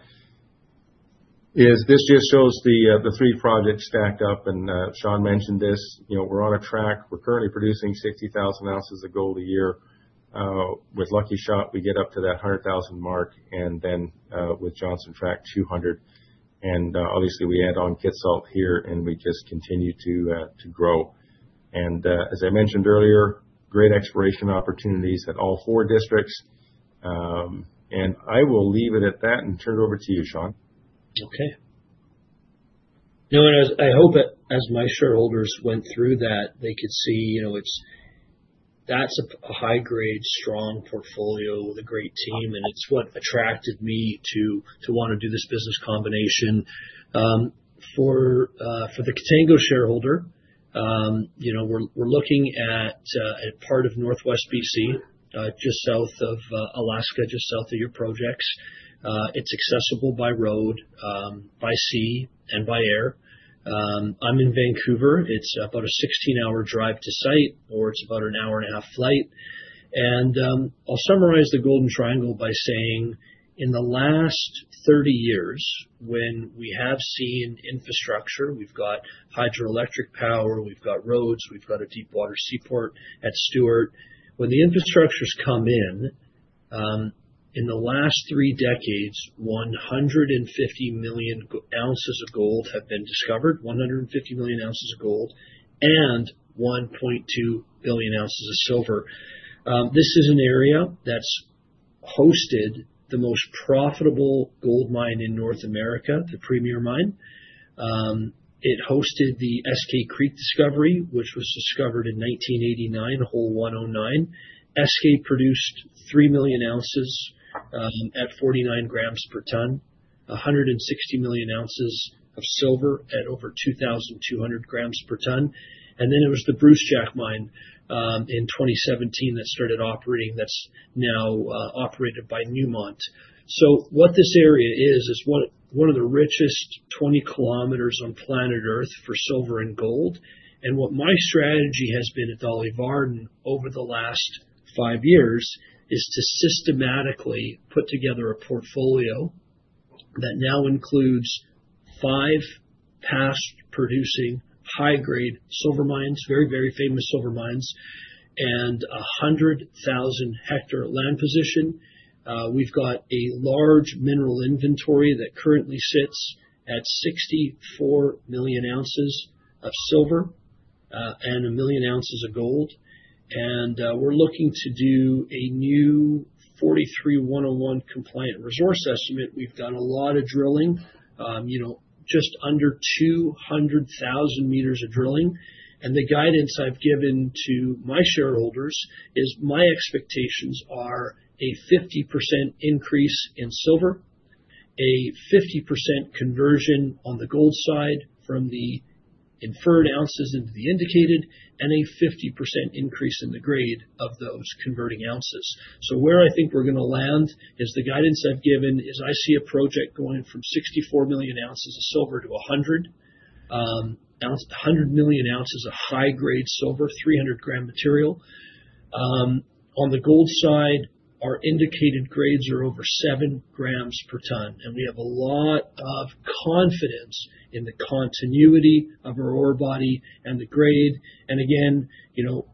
this just shows the three projects stacked up. And Shawn mentioned this. We're on track. We're currently producing 60,000 ounces of gold a year. With Lucky Shot, we get up to that 100,000 mark. And then with Johnson Tract, 200. And obviously, we add on Kitsault here, and we just continue to grow. And as I mentioned earlier, great exploration opportunities at all four districts. And I will leave it at that and turn it over to you, Shawn. Okay. No, and I hope that as my shareholders went through that, they could see that's a high-grade, strong portfolio with a great team. And it's what attracted me to want to do this business combination. For the Contango shareholder, we're looking at a part of Northwest BC, just south of Alaska, just south of your projects. It's accessible by road, by sea, and by air. I'm in Vancouver. It's about a 16-hour drive to site, or it's about an hour and a half flight. And I'll summarize the Golden Triangle by saying in the last 30 years, when we have seen infrastructure, we've got hydroelectric power, we've got roads, we've got a deep water seaport at Stewart. When the infrastructures come in, in the last three decades, 150 million ounces of gold have been discovered, 150 million ounces of gold, and 1.2 billion ounces of silver. This is an area that's hosted the most profitable gold mine in North America, the Premier Mine. It hosted the Eskay Creek Discovery, which was discovered in 1989, hole 109. Eskay Creek produced 3 million ounces at 49 grams per ton, 160 million ounces of silver at over 2,200 grams per ton. And then it was the Brucejack Mine in 2017 that started operating. That's now operated by Newmont. So what this area is, is one of the richest 20 kilometers on planet Earth for silver and gold. And what my strategy has been at Dolly Varden over the last five years is to systematically put together a portfolio that now includes five past-producing high-grade silver mines, very, very famous silver mines, and a 100,000-hectare land position. We've got a large mineral inventory that currently sits at 64 million ounces of silver and a million ounces of gold. We're looking to do a new 43-101 compliant resource estimate. We've done a lot of drilling, just under 200,000 meters of drilling. The guidance I've given to my shareholders is my expectations are a 50% increase in silver, a 50% conversion on the gold side from the inferred ounces into the indicated, and a 50% increase in the grade of those converting ounces. So where I think we're going to land is the guidance I've given is I see a project going from 64 million ounces of silver to 100 million ounces of high-grade silver, 300-gram material. On the gold side, our indicated grades are over seven grams per ton. We have a lot of confidence in the continuity of our ore body and the grade. Again,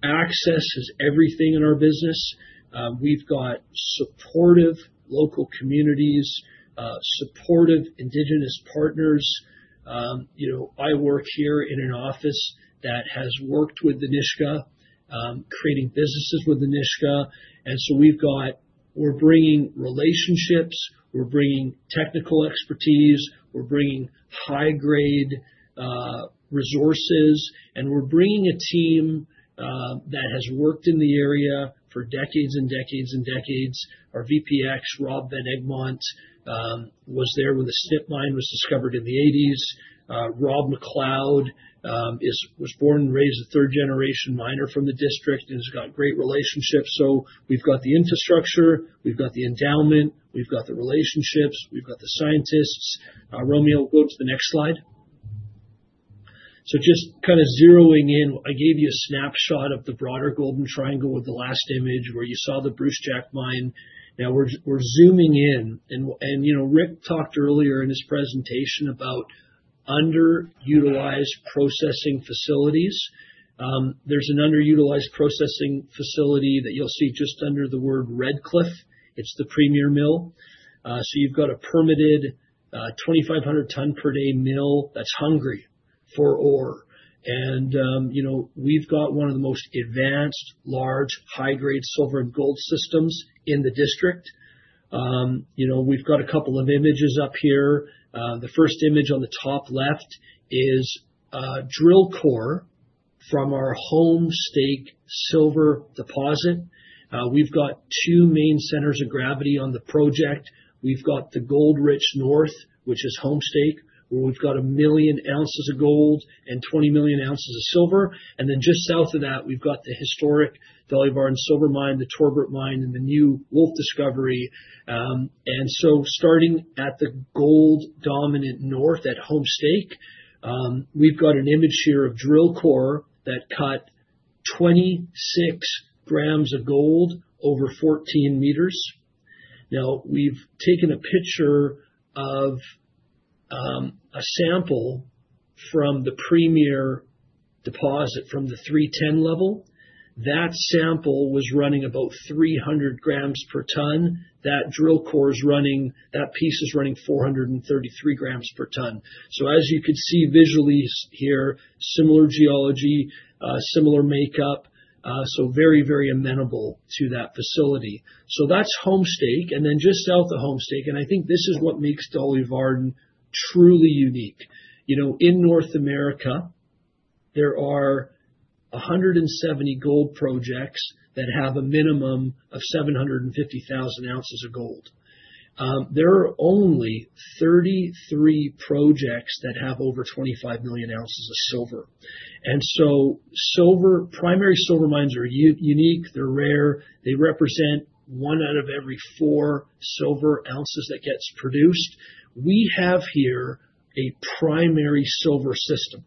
access is everything in our business. We've got supportive local communities, supportive indigenous partners. I work here in an office that has worked with the Nisga'a, creating businesses with the Nisga'a. We've got. We're bringing relationships. We're bringing technical expertise. We're bringing high-grade resources. We're bringing a team that has worked in the area for decades and decades and decades. Our VP Exploration, Rob Van Egmont, was there when the Snip mine was discovered in the 1980s. Rob McLeod was born and raised a third-generation miner from the district and has got great relationships. We've got the infrastructure. We've got the endowment. We've got the relationships. We've got the scientists. Romeo, go to the next slide. Just kind of zeroing in, I gave you a snapshot of the broader Golden Triangle with the last image where you saw the Brucejack mine. Now we're zooming in. Rick talked earlier in his presentation about underutilized processing facilities. There's an underutilized processing facility that you'll see just under the word Red Cliff. It's the Premier Mill. So you've got a permitted 2,500-ton-per-day mill that's hungry for ore. And we've got one of the most advanced, large, high-grade silver and gold systems in the district. We've got a couple of images up here. The first image on the top left is drill core from our Homestake Silver Deposit. We've got two main centers of gravity on the project. We've got the Gold Rich North, which is Homestake, where we've got a million ounces of gold and 20 million ounces of silver. And then just south of that, we've got the historic Dolly Varden Silver Mine, the Torbrit Mine, and the new Wolf Discovery. And so starting at the gold-dominant north at Homestake, we've got an image here of drill core that cut 26 grams of gold over 14 meters. Now we've taken a picture of a sample from the Premier Deposit from the 310 level. That sample was running about 300 grams per ton. That drill core is running. That piece is running 433 grams per ton. So as you could see visually here, similar geology, similar makeup, so very, very amenable to that facility. So that's Homestake. And then just south of Homestake, and I think this is what makes Dolly Varden truly unique. In North America, there are 170 gold projects that have a minimum of 750,000 ounces of gold. There are only 33 projects that have over 25 million ounces of silver. And so primary silver mines are unique. They're rare. They represent one out of every four silver ounces that gets produced. We have here a primary silver system.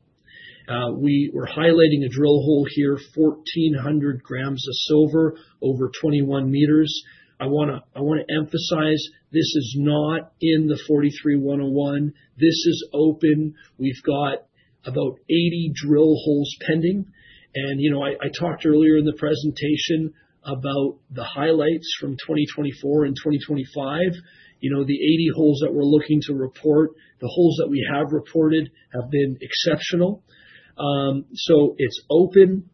We're highlighting a drill hole here, 1,400 grams of silver over 21 meters. I want to emphasize this is not in the 43-101. This is open. We've got about 80 drill holes pending, and I talked earlier in the presentation about the highlights from 2024 and 2025. The 80 holes that we're looking to report, the holes that we have reported have been exceptional, so it's open.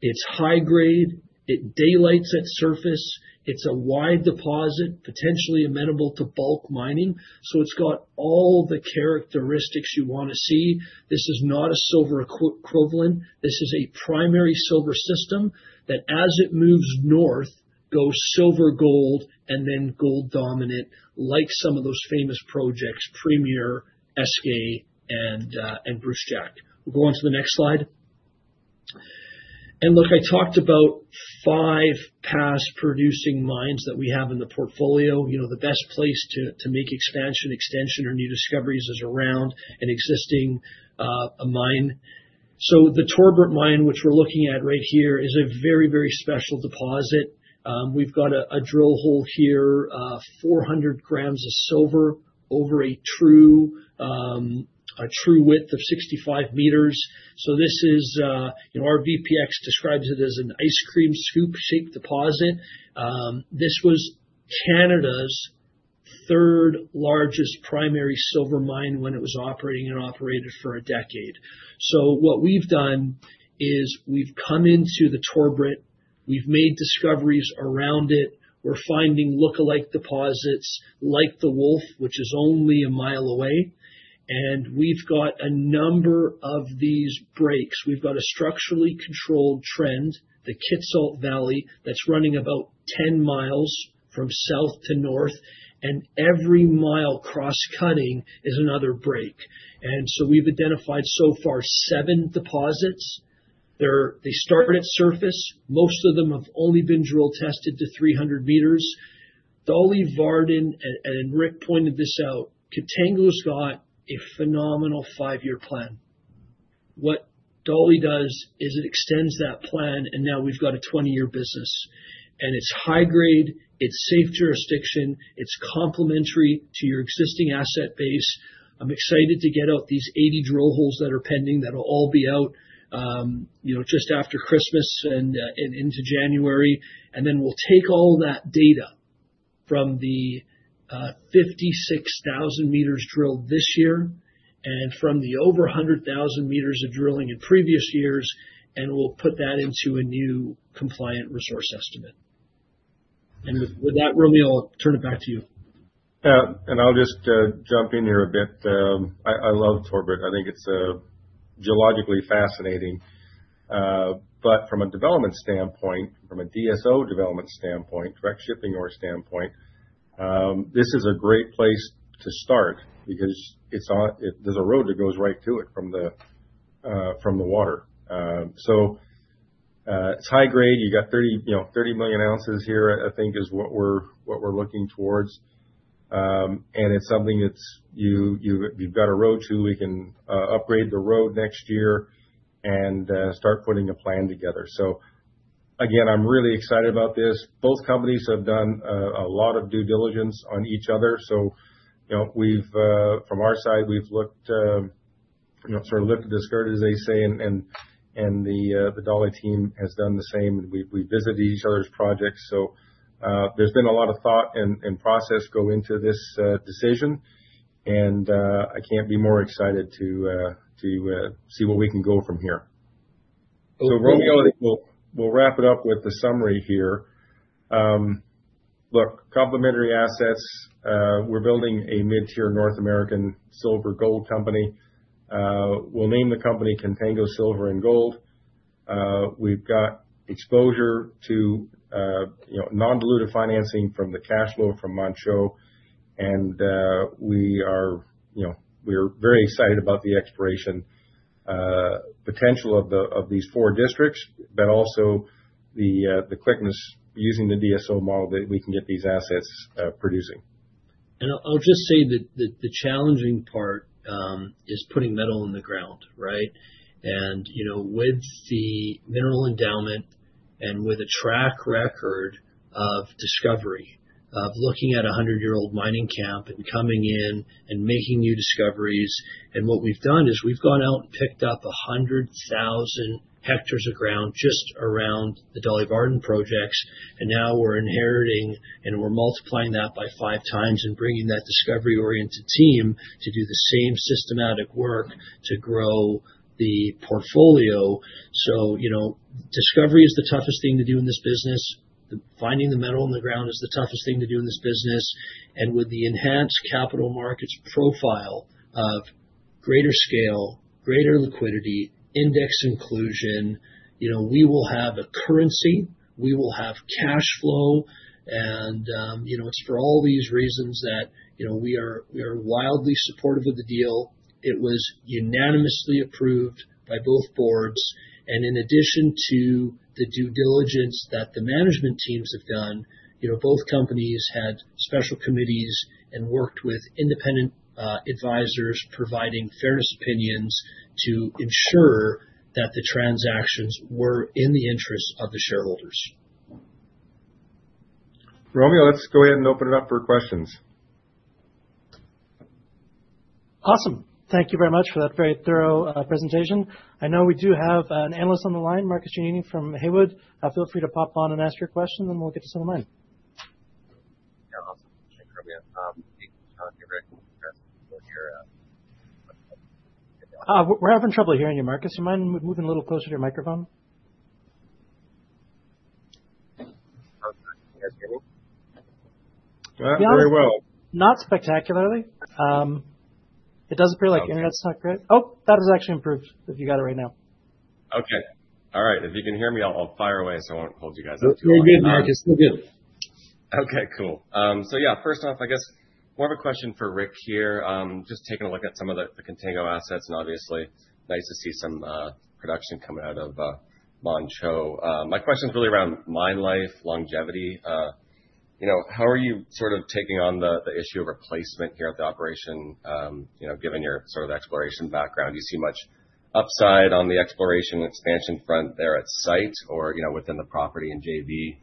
It's high-grade. It daylights at surface. It's a wide deposit, potentially amenable to bulk mining, so it's got all the characteristics you want to see. This is not a silver equivalent. This is a primary silver system that, as it moves north, goes silver-gold and then gold-dominant, like some of those famous projects, Premier, SK, and Brucejack. We'll go on to the next slide, and look, I talked about five past-producing mines that we have in the portfolio. The best place to make expansion, extension, or new discoveries is around an existing mine. The Torbrit Mine, which we're looking at right here, is a very, very special deposit. We've got a drill hole here, 400 grams of silver over a true width of 65 meters. So this is our VPX describes it as an ice cream scoop-shaped deposit. This was Canada's third largest primary silver mine when it was operating and operated for a decade. So what we've done is we've come into the Torbrit. We've made discoveries around it. We're finding lookalike deposits like the Wolf, which is only one mile away. And we've got a number of these breaks. We've got a structurally controlled trend, the Kitsault Valley, that's running about 10 miles from south to north. And every mile cross-cutting is another break. And so we've identified so far seven deposits. They start at surface. Most of them have only been drill tested to 300 meters. Dolly Varden, and Rick pointed this out, Contango has got a phenomenal five-year plan. What Dolly does is it extends that plan, and now we've got a 20-year business. It's high-grade. It's safe jurisdiction. It's complementary to your existing asset base. I'm excited to get out these 80 drill holes that are pending that'll all be out just after Christmas and into January. Then we'll take all that data from the 56,000 meters drilled this year and from the over 100,000 meters of drilling in previous years, and we'll put that into a new compliant resource estimate. With that, Romeo, I'll turn it back to you. I'll just jump in here a bit. I love Torbrit. I think it's geologically fascinating. But from a development standpoint, from a DSO development standpoint, direct shipping ore standpoint, this is a great place to start because there's a road that goes right to it from the water. So it's high-grade. You got 30 million ounces here, I think, is what we're looking towards. And it's something that you've got a road to. We can upgrade the road next year and start putting a plan together. So again, I'm really excited about this. Both companies have done a lot of due diligence on each other. So from our side, we've sort of lifted the skirt, as they say, and the Dolly team has done the same. And we've visited each other's projects. So there's been a lot of thought and process go into this decision. I can't be more excited to see what we can go from here. So Romeo, we'll wrap it up with the summary here. Look, complementary assets. We're building a mid-tier North American silver-gold company. We'll name the company Contango Silver and Gold. We've got exposure to non-dilutive financing from the cash flow from Manh Choh. We are very excited about the exploration potential of these four districts, but also the quickness using the DSO model that we can get these assets producing. I'll just say that the challenging part is putting metal in the ground, right? With the mineral endowment and with a track record of discovery, of looking at a 100-year-old mining camp and coming in and making new discoveries. What we've done is we've gone out and picked up 100,000 hectares of ground just around the Dolly Varden projects. Now we're inheriting, and we're multiplying that by five times and bringing that discovery-oriented team to do the same systematic work to grow the portfolio. Discovery is the toughest thing to do in this business. Finding the metal in the ground is the toughest thing to do in this business. With the enhanced capital markets profile of greater scale, greater liquidity, index inclusion, we will have a currency. We will have cash flow. And it's for all these reasons that we are wildly supportive of the deal. It was unanimously approved by both boards. And in addition to the due diligence that the management teams have done, both companies had special committees and worked with independent advisors providing fairness opinions to ensure that the transactions were in the interests of the shareholders. Romeo, let's go ahead and open it up for questions. Awesome. Thank you very much for that very thorough presentation. I know we do have an analyst on the line, Marcus Giannini from Haywood. Feel free to pop on and ask your question, and we'll get this on the line. We're having trouble hearing you, Marcus. Do you mind moving a little closer to your microphone? Not spectacularly. It does appear like internet's not great. Oh, that has actually improved if you got it right now. Okay. All right. If you can hear me, I'll fire away so I won't hold you guys up too long. Still good, Marcus. Still good. Okay. Cool. So yeah, first off, I guess more of a question for Rick here. Just taking a look at some of the Contango assets and obviously nice to see some production coming out of Manh Choh. My question is really around mine life, longevity. How are you sort of taking on the issue of replacement here at the operation given your sort of exploration background? Do you see much upside on the exploration and expansion front there at site or within the property in JV?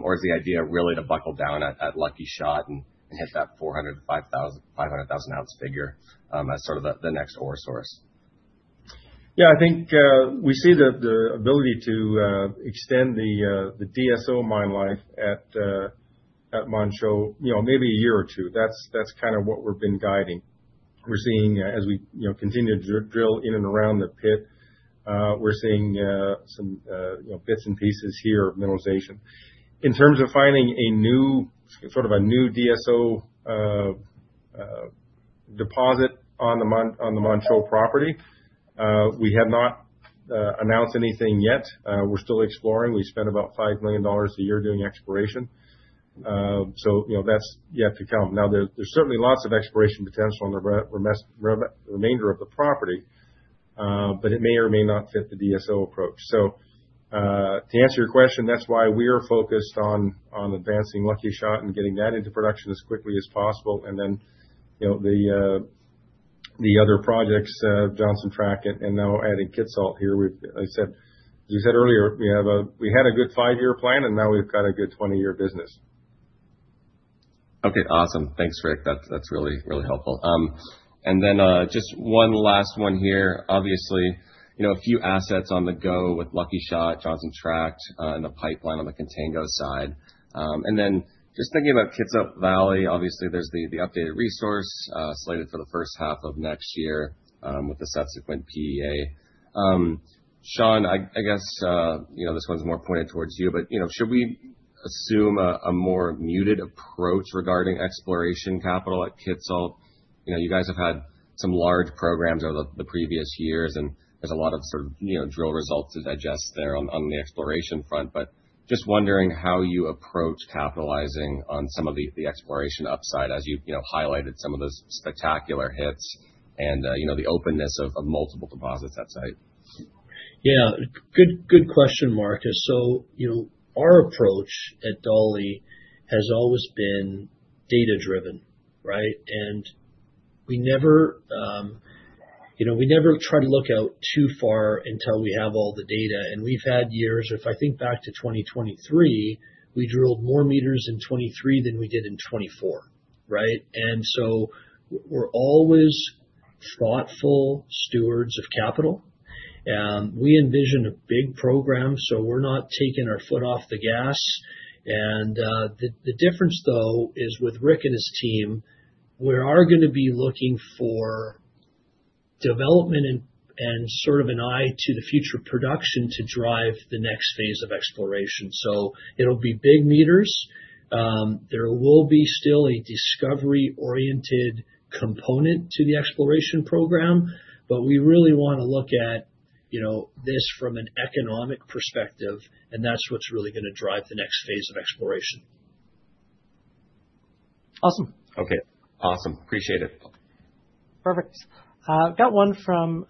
Or is the idea really to buckle down at Lucky Shot and hit that 400,000 ounce figure as sort of the next ore source? Yeah. I think we see the ability to extend the DSO mine life at Manh Choh maybe a year or two. That's kind of what we've been guiding. We're seeing as we continue to drill in and around the pit, we're seeing some bits and pieces here of mineralization. In terms of finding a new sort of a new DSO deposit on the Manh Choh property, we have not announced anything yet. We're still exploring. We spend about $5 million a year doing exploration. So that's yet to come. Now, there's certainly lots of exploration potential in the remainder of the property, but it may or may not fit the DSO approach. So to answer your question, that's why we are focused on advancing Lucky Shot and getting that into production as quickly as possible. Then the other projects, Johnson Tract, and now adding Kitsault here. As I said earlier, we had a good five-year plan, and now we've got a good 20-year business. Okay. Awesome. Thanks, Rick. That's really, really helpful. And then just one last one here. Obviously, a few assets on the go with Lucky Shot, Johnson Tract, and the pipeline on the Contango side. And then just thinking about Kitsault Valley, obviously, there's the updated resource slated for the first half of next year with the subsequent PEA. Shawn, I guess this one's more pointed towards you, but should we assume a more muted approach regarding exploration capital at Kitsault? You guys have had some large programs over the previous years, and there's a lot of sort of drill results to digest there on the exploration front. But just wondering how you approach capitalizing on some of the exploration upside as you've highlighted some of those spectacular hits and the openness of multiple deposits at site. Yeah. Good question, Marcus. So our approach at Dolly has always been data-driven, right? And we never try to look out too far until we have all the data. And we've had years. If I think back to 2023, we drilled more meters in 2023 than we did in 2024, right? And so we're always thoughtful stewards of capital. We envision a big program, so we're not taking our foot off the gas. And the difference, though, is with Rick and his team, we are going to be looking for development and sort of an eye to the future production to drive the next phase of exploration. So it'll be big meters. There will be still a discovery-oriented component to the exploration program, but we really want to look at this from an economic perspective, and that's what's really going to drive the next phase of exploration. Awesome. Okay. Awesome. Appreciate it. Perfect. Got one from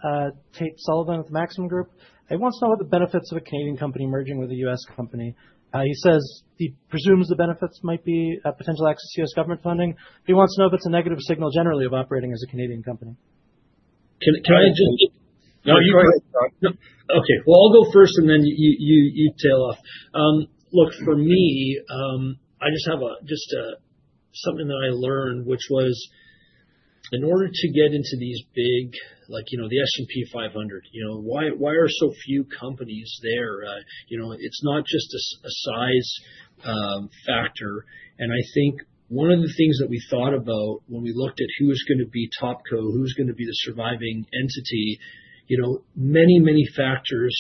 Tate Sullivan with the Maxim Group. They want to know what the benefits of a Canadian company merging with a US company. He says he presumes the benefits might be potential access to US government funding. He wants to know if it's a negative signal generally of operating as a Canadian company. Can I just? No, you go ahead, Shawn. Okay. Well, I'll go first, and then you tail off. Look, for me, I just have something that I learned, which was in order to get into these big, like the S&P 500, why are so few companies there? It's not just a size factor. And I think one of the things that we thought about when we looked at who was going to be topco, who was going to be the surviving entity, many, many factors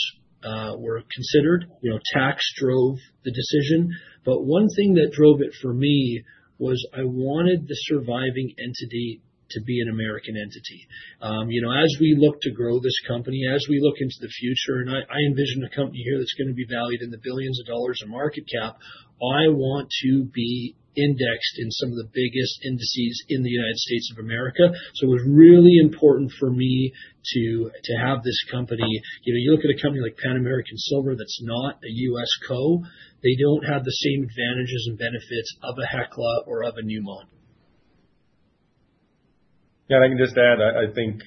were considered. Tax drove the decision. But one thing that drove it for me was I wanted the surviving entity to be an American entity. As we look to grow this company, as we look into the future, and I envision a company here that's going to be valued in the billions of dollars in market cap, I want to be indexed in some of the biggest indices in the United States of America. So it was really important for me to have this company. You look at a company like Pan American Silver that's not a U.S. co, they don't have the same advantages and benefits of a Hecla or of a Newmont. Yeah. I can just add, I think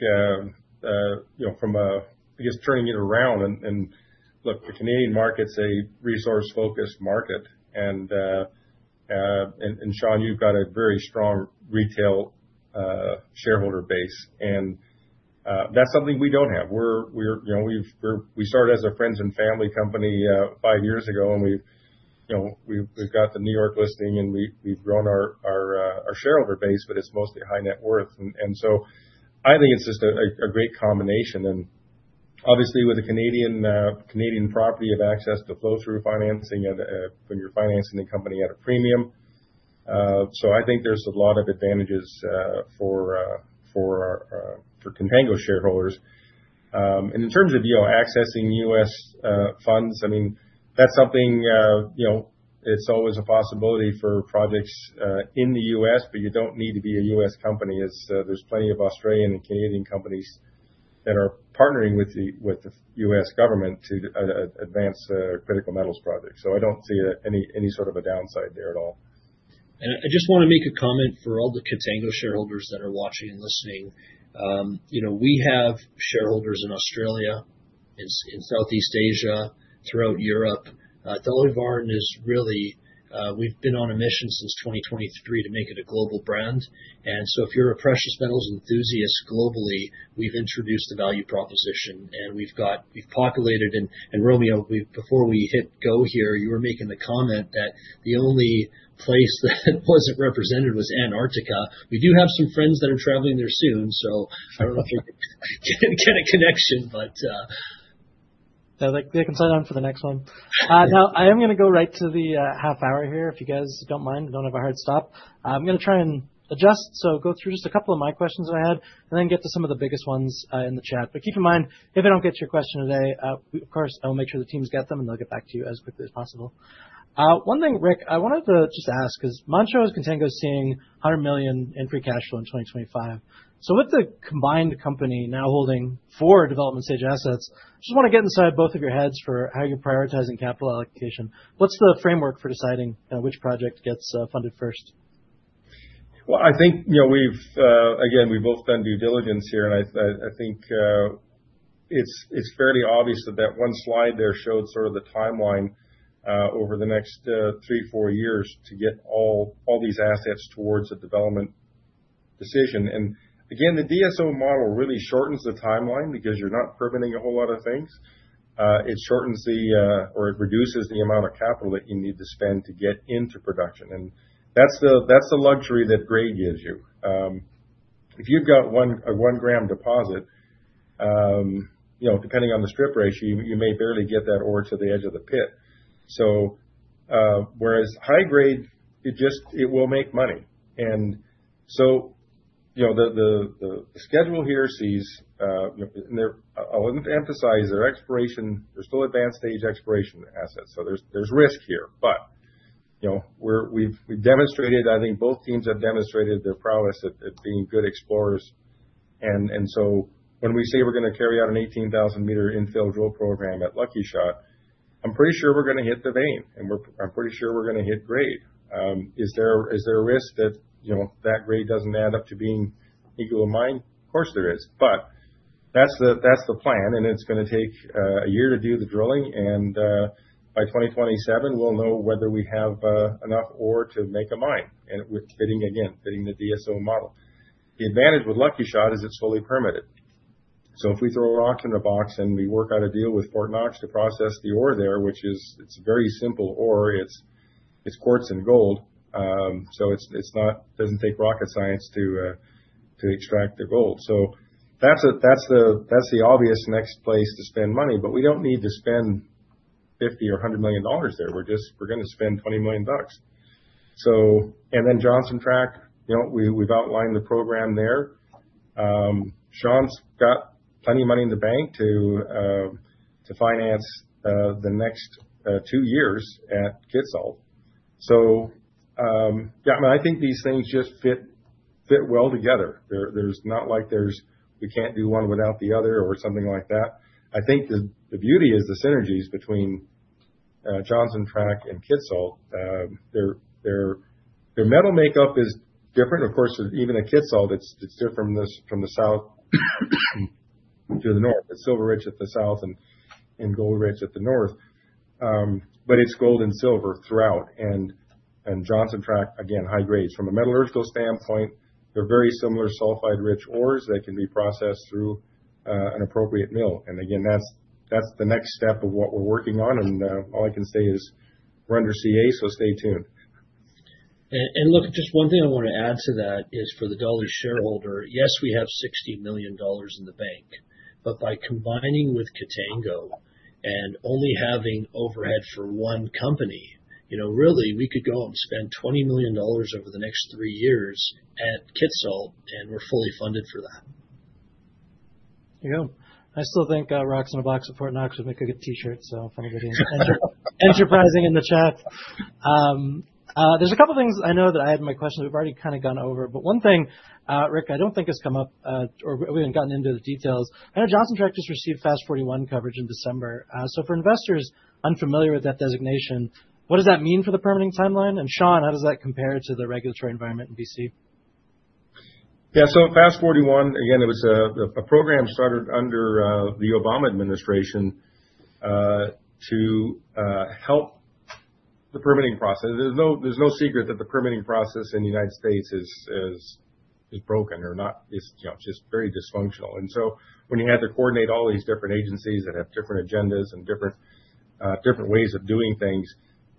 from, I guess, turning it around, and look, the Canadian market's a resource-focused market. Shawn, you've got a very strong retail shareholder base. And that's something we don't have. We started as a friends and family company five years ago, and we've got the New York listing, and we've grown our shareholder base, but it's mostly high net worth. And so I think it's just a great combination. And obviously, with the Canadian property of access to flow-through financing when you're financing the company at a premium. So I think there's a lot of advantages for Contango shareholders. In terms of accessing U.S. funds, I mean, that's something it's always a possibility for projects in the U.S., but you don't need to be a U.S. company as there's plenty of Australian and Canadian companies that are partnering with the U.S. government to advance critical metals projects. I don't see any sort of a downside there at all. I just want to make a comment for all the Contango shareholders that are watching and listening. We have shareholders in Australia, in Southeast Asia, throughout Europe. Dolly Varden, really, we've been on a mission since 2023 to make it a global brand. So if you're a precious metals enthusiast globally, we've introduced a value proposition, and we've populated. Romeo, before we hit go here, you were making the comment that the only place that wasn't represented was Antarctica. We do have some friends that are traveling there soon, so I don't know if we can get a connection, but. Yeah. They can sign on for the next one. Now, I am going to go right to the half hour here if you guys don't mind. We don't have a hard stop. I'm going to try and adjust. So go through just a couple of my questions that I had and then get to some of the biggest ones in the chat. But keep in mind, if I don't get your question today, of course, I will make sure the teams get them, and they'll get back to you as quickly as possible. One thing, Rick, I wanted to just ask: is Manh Choh Contango seeing $100 million in free cash flow in 2025? So with the combined company now holding four development-stage assets, I just want to get inside both of your heads for how you're prioritizing capital allocation. What's the framework for deciding which project gets funded first? I think, again, we've both done due diligence here, and I think it's fairly obvious that that one slide there showed sort of the timeline over the next three, four years to get all these assets towards a development decision, and again, the DSO model really shortens the timeline because you're not permitting a whole lot of things. It shortens, or it reduces, the amount of capital that you need to spend to get into production. That's the luxury that grade gives you. If you've got one gram deposit, depending on the strip ratio, you may barely get that ore to the edge of the pit. So, whereas high grade, it will make money. So the schedule here, see, I'll emphasize their exploration. They're still advanced-stage exploration assets. So there's risk here. We've demonstrated, I think both teams have demonstrated their prowess at being good explorers. And so when we say we're going to carry out an 18,000-meter infill drill program at Lucky Shot, I'm pretty sure we're going to hit the vein, and I'm pretty sure we're going to hit grade. Is there a risk that that grade doesn't add up to being equal to mine? Of course, there is. But that's the plan, and it's going to take a year to do the drilling. And by 2027, we'll know whether we have enough ore to make a mine, again, fitting the DSO model. The advantage with Lucky Shot is it's fully permitted. So if we throw a rock in the box and we work out a deal with Fort Knox to process the ore there, which is, it's a very simple ore. It's quartz and gold. So it doesn't take rocket science to extract the gold. So that's the obvious next place to spend money. But we don't need to spend $50 million or $100 million there. We're going to spend $20 million. And then Johnson Tract, we've outlined the program there. Shawn's got plenty of money in the bank to finance the next two years at Kitsault. So yeah, I mean, I think these things just fit well together. There's not like we can't do one without the other or something like that. I think the beauty is the synergies between Johnson Tract and Kitsault. Their metal makeup is different. Of course, even at Kitsault, it's different from the south to the north. It's silver-rich at the south and gold-rich at the north. But it's gold and silver throughout. And Johnson Tract, again, high grades. From a metallurgical standpoint, they're very similar sulfide-rich ores that can be processed through an appropriate mill. And again, that's the next step of what we're working on. And all I can say is we're under NDA, so stay tuned. Look, just one thing I want to add to that is for the Dolly shareholder, yes, we have $60 million in the bank. By combining with Contango and only having overhead for one company, really, we could go and spend $20 million over the next three years at Kitsault, and we're fully funded for that. There you go. I still think rocks in a box at Fort Knox would make a good T-shirt, so if anybody's enterprising in the chat. There's a couple of things I know that I had in my questions we've already kind of gone over. But one thing, Rick, I don't think has come up or we haven't gotten into the details. I know Johnson Tract just received FAST-41 coverage in December. So for investors unfamiliar with that designation, what does that mean for the permitting timeline? And Shawn, how does that compare to the regulatory environment in BC? Yeah. So FAST-41, again, it was a program started under the Obama administration to help the permitting process. It's no secret that the permitting process in the United States is broken or not. It's just very dysfunctional. When you had to coordinate all these different agencies that have different agendas and different ways of doing things,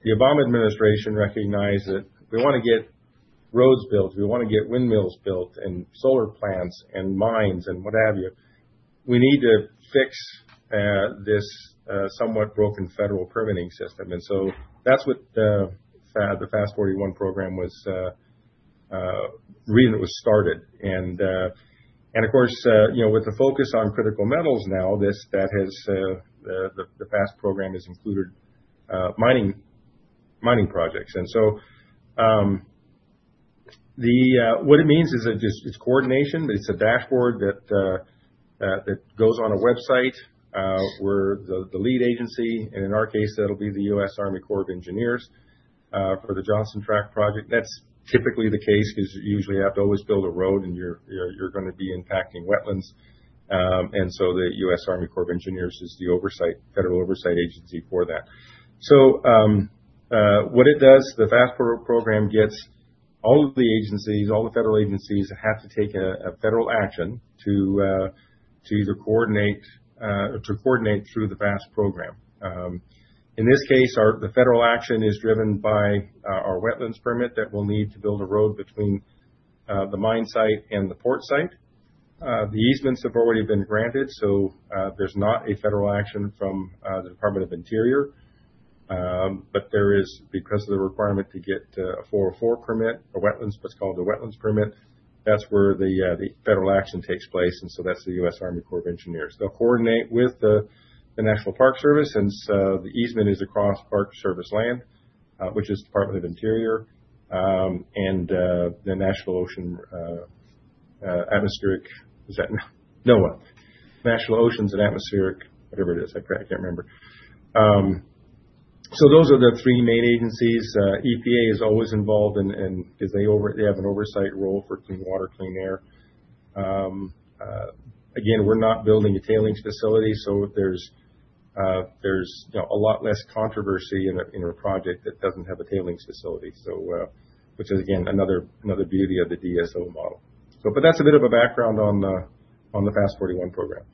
the Obama administration recognized that we want to get roads built. We want to get windmills built and solar plants and mines and what have you. We need to fix this somewhat broken federal permitting system. That's what the FAST-41 program was the reason it was started. Of course, with the focus on critical metals now, the FAST-41 program has included mining projects. What it means is it's coordination. It's a dashboard that goes on a website where the lead agency, and in our case, that'll be the U.S. Army Corps of Engineers for the Johnson Tract project. That's typically the case because you usually have to always build a road, and you're going to be impacting wetlands. And so the U.S. Army Corps of Engineers is the federal oversight agency for that. So what it does, the FAST-41 gets all of the agencies, all the federal agencies have to take a federal action to either coordinate or to coordinate through the FAST-41. In this case, the federal action is driven by our wetlands permit that we'll need to build a road between the mine site and the port site. The easements have already been granted, so there's not a federal action from the Department of the Interior. But there is, because of the requirement to get a 404 permit, what's called a wetlands permit, that's where the federal action takes place. And so that's the U.S. Army Corps of Engineers. They'll coordinate with the National Park Service since the easement is across Park Service land, which is Department of the Interior and the National Oceanic and Atmospheric—was that NOAA? National Oceanic and Atmospheric, whatever it is. I can't remember. So those are the three main agencies. EPA is always involved because they have an oversight role for clean water, clean air. Again, we're not building a tailings facility, so there's a lot less controversy in a project that doesn't have a tailings facility, which is, again, another beauty of the DSO model. But that's a bit of a background on the FAST-41 program.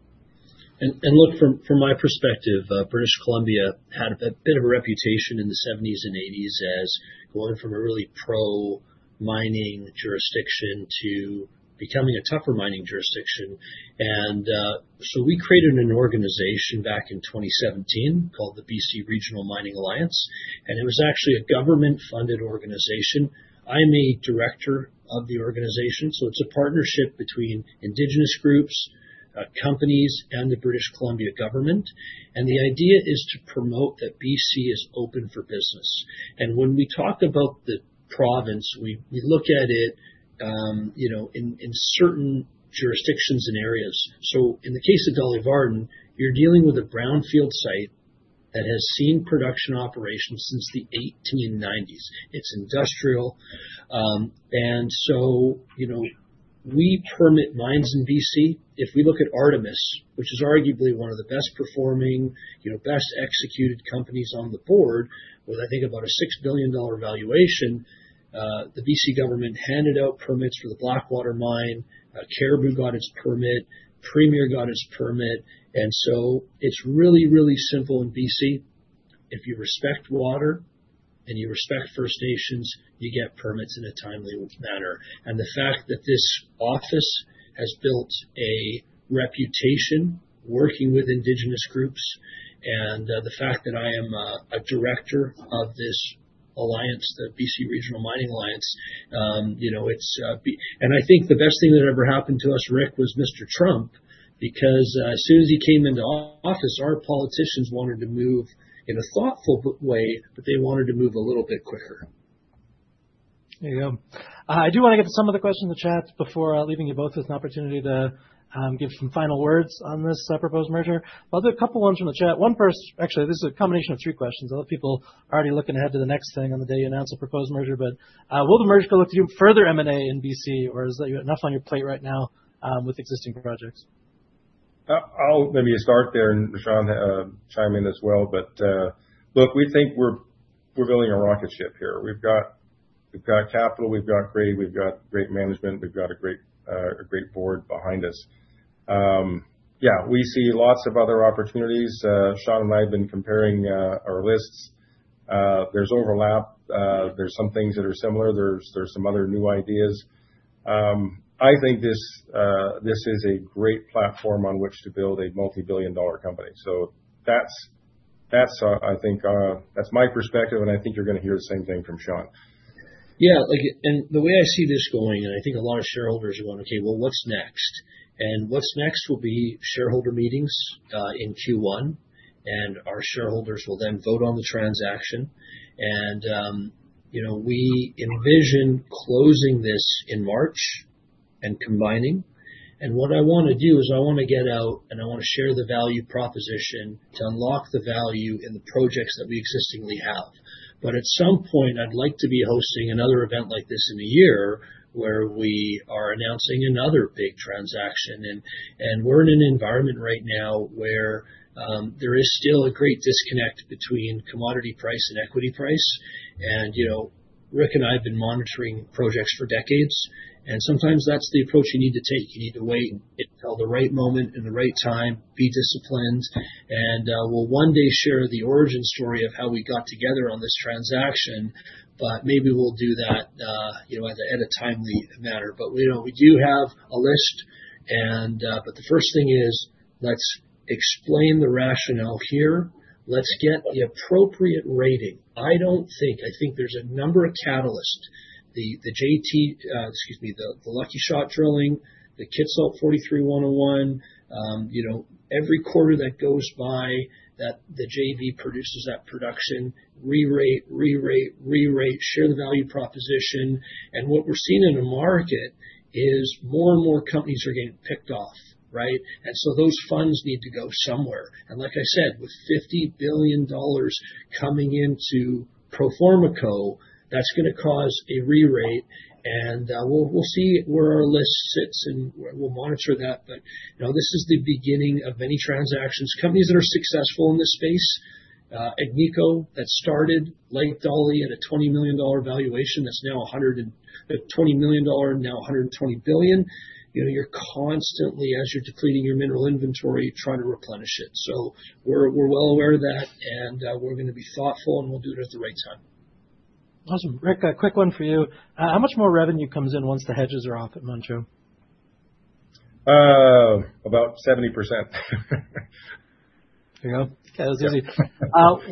And look, from my perspective, British Columbia had a bit of a reputation in the '70s and '80s as going from a really pro-mining jurisdiction to becoming a tougher mining jurisdiction. And so we created an organization back in 2017 called the BC Regional Mining Alliance. And it was actually a government-funded organization. I'm a director of the organization. So it's a partnership between indigenous groups, companies, and the British Columbia government. And the idea is to promote that BC is open for business. And when we talk about the province, we look at it in certain jurisdictions and areas. So in the case of Dolly Varden, you're dealing with a brownfield site that has seen production operations since the 1890s. It's industrial. And so we permit mines in BC. If we look at Artemis, which is arguably one of the best-performing, best-executed companies on the board with, I think, about a $6 billion valuation. The BC government handed out permits for the Blackwater Mine. Caribou got its permit. Premier got its permit. So it's really, really simple in BC. If you respect water and you respect First Nations, you get permits in a timely manner. The fact that this office has built a reputation working with indigenous groups and the fact that I am a director of this alliance, the BC Regional Mining Alliance, it's. I think the best thing that ever happened to us, Rick, was Mr. Trump because as soon as he came into office, our politicians wanted to move in a thoughtful way, but they wanted to move a little bit quicker. There you go. I do want to get to some of the questions in the chat before leaving you both with an opportunity to give some final words on this proposed merger. I'll do a couple of ones from the chat. One first, actually, this is a combination of three questions. A lot of people are already looking ahead to the next thing on the day you announce the proposed merger. But will the merger look to do further M&A in BC, or is that enough on your plate right now with existing projects? I'll maybe start there, and Shawn, chime in as well. But look, we think we're building a rocket ship here. We've got capital. We've got grade. We've got great management. We've got a great board behind us. Yeah. We see lots of other opportunities. Shawn and I have been comparing our lists. There's overlap. There's some things that are similar. There's some other new ideas. I think this is a great platform on which to build a multi-billion-dollar company. So that's, I think, that's my perspective, and I think you're going to hear the same thing from Shawn. Yeah. And the way I see this going, and I think a lot of shareholders are going, "Okay, well, what's next?" And what's next will be shareholder meetings in Q1, and our shareholders will then vote on the transaction. And we envision closing this in March and combining. And what I want to do is I want to get out, and I want to share the value proposition to unlock the value in the projects that we existingly have. But at some point, I'd like to be hosting another event like this in a year where we are announcing another big transaction. And we're in an environment right now where there is still a great disconnect between commodity price and equity price. And Rick and I have been monitoring projects for decades. And sometimes that's the approach you need to take. You need to wait and tell the right moment and the right time, be disciplined. We'll one day share the origin story of how we got together on this transaction, but maybe we'll do that at a timely manner. We do have a list. The first thing is let's explain the rationale here. Let's get the appropriate rating. I don't think there's a number of catalysts. The JT, excuse me, the Lucky Shot drilling, the Kitsault 43-101, every quarter that goes by, the JV produces that production. Rerate, rerate, rerate, share the value proposition. What we're seeing in the market is more and more companies are getting picked off, right? Those funds need to go somewhere. Like I said, with $50 billion coming into Proforma Co, that's going to cause a rerate. We'll see where our list sits and we'll monitor that. But this is the beginning of many transactions. Companies that are successful in this space, Agnico, that started like Dolly at a $20 million valuation that's now $120 million and now $120 billion. You're constantly, as you're depleting your mineral inventory, trying to replenish it. So we're well aware of that, and we're going to be thoughtful, and we'll do it at the right time. Awesome. Rick, a quick one for you. How much more revenue comes in once the hedges are off at Manh Choh? About 70%. There you go. Okay. That was easy.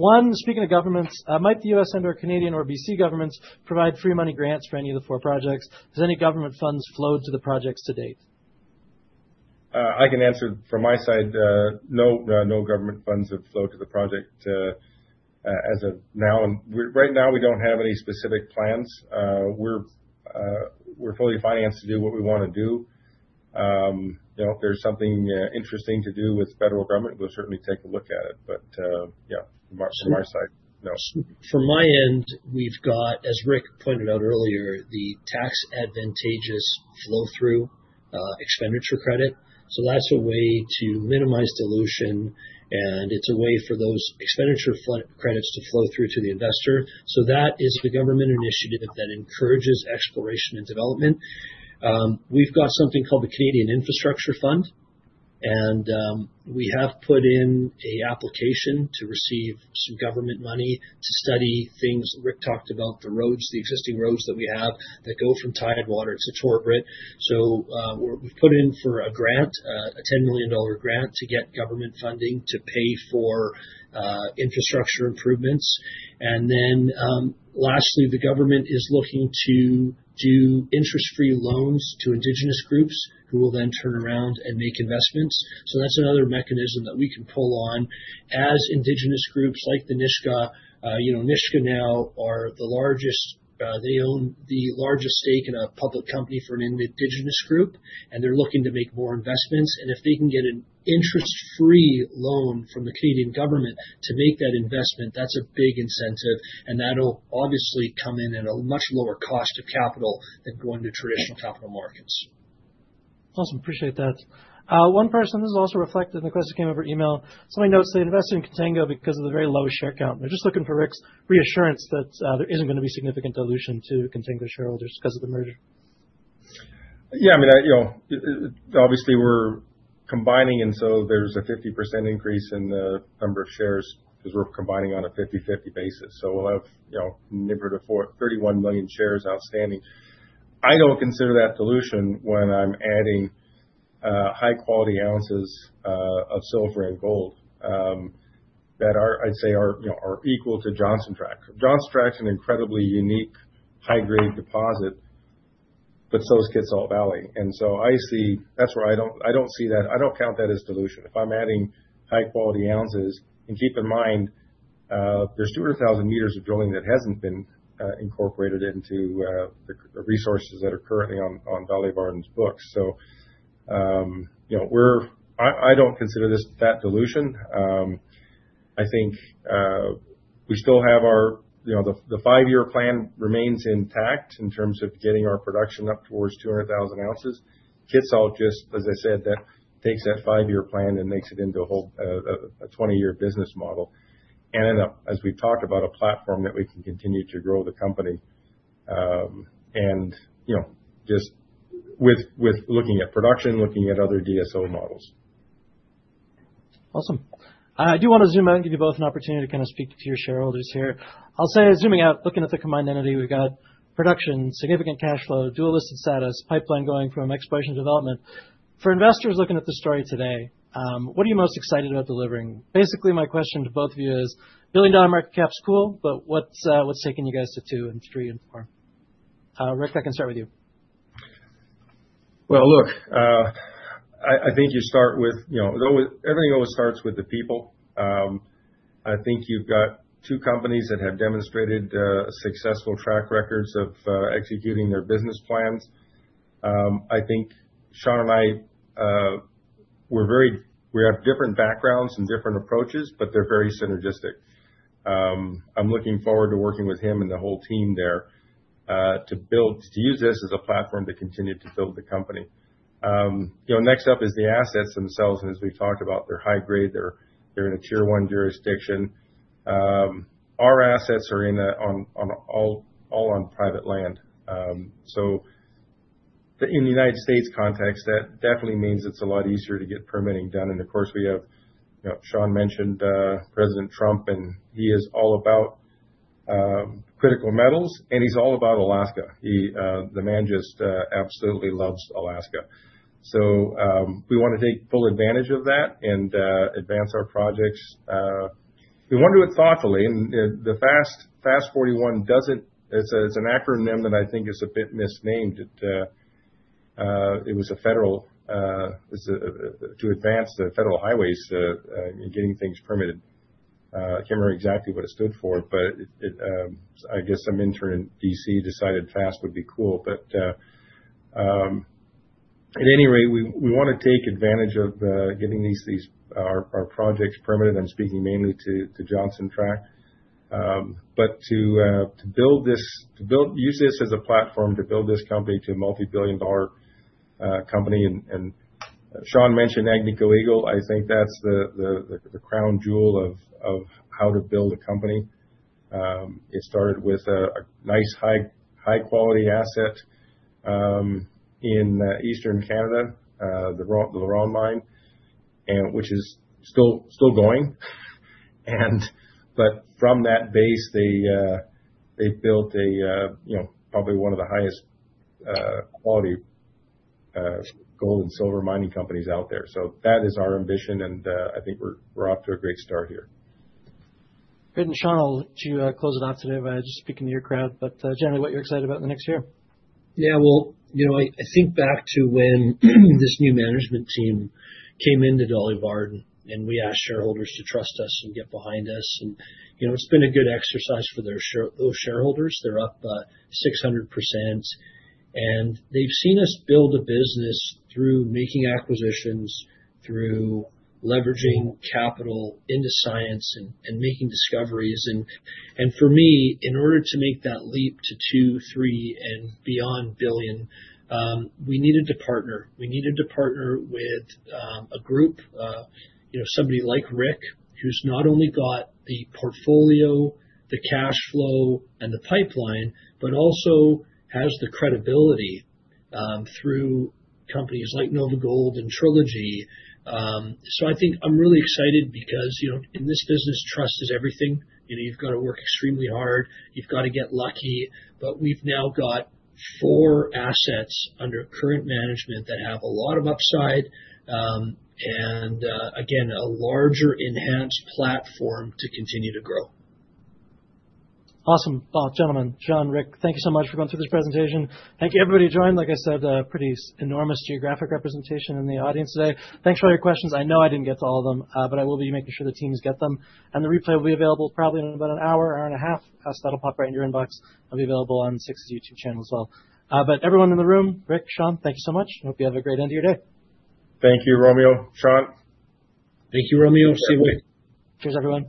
One, speaking of governments, might the U.S. and/or Canadian or BC governments provide free money grants for any of the four projects? Has any government funds flowed to the projects to date? I can answer from my side. No, no government funds have flowed to the project as of now. Right now, we don't have any specific plans. We're fully financed to do what we want to do. If there's something interesting to do with federal government, we'll certainly take a look at it. But yeah, from our side, no. From my end, we've got, as Rick pointed out earlier, the tax-advantageous flow-through expenditure credit. So that's a way to minimize dilution, and it's a way for those expenditure credits to flow through to the investor. So that is the government initiative that encourages exploration and development. We've got something called the Canadian Infrastructure Fund, and we have put in an application to receive some government money to study things Rick talked about, the roads, the existing roads that we have that go from Tidewater to Torbrit. So we've put in for a grant, a 10 million dollar grant to get government funding to pay for infrastructure improvements. And then lastly, the government is looking to do interest-free loans to indigenous groups who will then turn around and make investments. So that's another mechanism that we can pull on. As indigenous groups like the Nisga'a, Nisga'a now are the largest. They own the largest stake in a public company for an indigenous group, and they're looking to make more investments. And if they can get an interest-free loan from the Canadian government to make that investment, that's a big incentive. And that'll obviously come in at a much lower cost of capital than going to traditional capital markets. Awesome. Appreciate that. One person has also reflected on the question that came over email. Somebody notes they invested in Contango because of the very low share count. They're just looking for Rick's reassurance that there isn't going to be significant dilution to Contango shareholders because of the merger. Yeah. I mean, obviously, we're combining, and so there's a 50% increase in the number of shares because we're combining on a 50/50 basis. So we'll have 31 million shares outstanding. I don't consider that dilution when I'm adding high-quality ounces of silver and gold that I'd say are equal to Johnson Tract. Johnson Tract is an incredibly unique high-grade deposit, but so is Kitsault Valley. And so I see that's where I don't see that. I don't count that as dilution. If I'm adding high-quality ounces, and keep in mind, there's 200,000 meters of drilling that hasn't been incorporated into the resources that are currently on Dolly Varden's books. So I don't consider this that dilution. I think we still have our five-year plan remains intact in terms of getting our production up towards 200,000 ounces. Kitsault, just as I said, that takes that five-year plan and makes it into a 20-year business model and as we've talked about, a platform that we can continue to grow the company and just with looking at production, looking at other DSO models. Awesome. I do want to zoom in and give you both an opportunity to kind of speak to your shareholders here. I'll say zooming out, looking at the combined entity, we've got production, significant cash flow, dual-listed status, pipeline going from exploitation to development. For investors looking at the story today, what are you most excited about delivering? Basically, my question to both of you is, billion-dollar market cap is cool, but what's taken you guys to two and three and four? Rick, I can start with you. Look, I think everything always starts with the people. I think you've got two companies that have demonstrated successful track records of executing their business plans. I think Shawn and I have different backgrounds and different approaches, but they're very synergistic. I'm looking forward to working with him and the whole team there to use this as a platform to continue to build the company. Next up is the assets themselves. And as we've talked about, they're high-grade. They're in a tier-one jurisdiction. Our assets are all on private land. So in the United States context, that definitely means it's a lot easier to get permitting done. And of course, Shawn mentioned President Trump, and he is all about critical metals, and he's all about Alaska. The man just absolutely loves Alaska. So we want to take full advantage of that and advance our projects. We want to do it thoughtfully. And the FAST-41, it's an acronym that I think is a bit misnamed. It was a federal to advance the federal highways and getting things permitted. I can't remember exactly what it stood for, but I guess some intern in BC decided FAST would be cool. But at any rate, we want to take advantage of getting our projects permitted. I'm speaking mainly to Johnson Tract. But to build this, to use this as a platform to build this company to a multi-billion-dollar company. And Shawn mentioned Agnico Eagle. I think that's the crown jewel of how to build a company. It started with a nice high-quality asset in Eastern Canada, the LaRonde Mine, which is still going. But from that base, they built probably one of the highest quality gold and silver mining companies out there. So that is our ambition, and I think we're off to a great start here. Rick and Shawn, I'll let you close it out today by just speaking to your crowd, but generally, what you're excited about in the next year? Yeah. Well, I think back to when this new management team came into Dolly Varden, and we asked shareholders to trust us and get behind us. And it's been a good exercise for those shareholders. They're up 600%. And they've seen us build a business through making acquisitions, through leveraging capital into science and making discoveries. And for me, in order to make that leap to two, three, and beyond billion, we needed to partner. We needed to partner with a group, somebody like Rick, who's not only got the portfolio, the cash flow, and the pipeline, but also has the credibility through companies like NovaGold and Trilogy Metals. So I think I'm really excited because in this business, trust is everything. You've got to work extremely hard. You've got to get lucky. But we've now got four assets under current management that have a lot of upside and, again, a larger enhanced platform to continue to grow. Awesome, well, gentlemen, Shawn, Rick, thank you so much for going through this presentation. Thank you, everybody, who joined. Like I said, pretty enormous geographic representation in the audience today. Thanks for all your questions. I know I didn't get to all of them, but I will be making sure the teams get them, and the replay will be available probably in about an hour, hour and a half, so that'll pop right in your inbox. It'll be available on 6ix's YouTube channel as well, but everyone in the room, Rick, Shawn, thank you so much. Hope you have a great end of your day. Thank you, Romeo. Shawn. Thank you, Romeo. See you later. Cheers, everyone.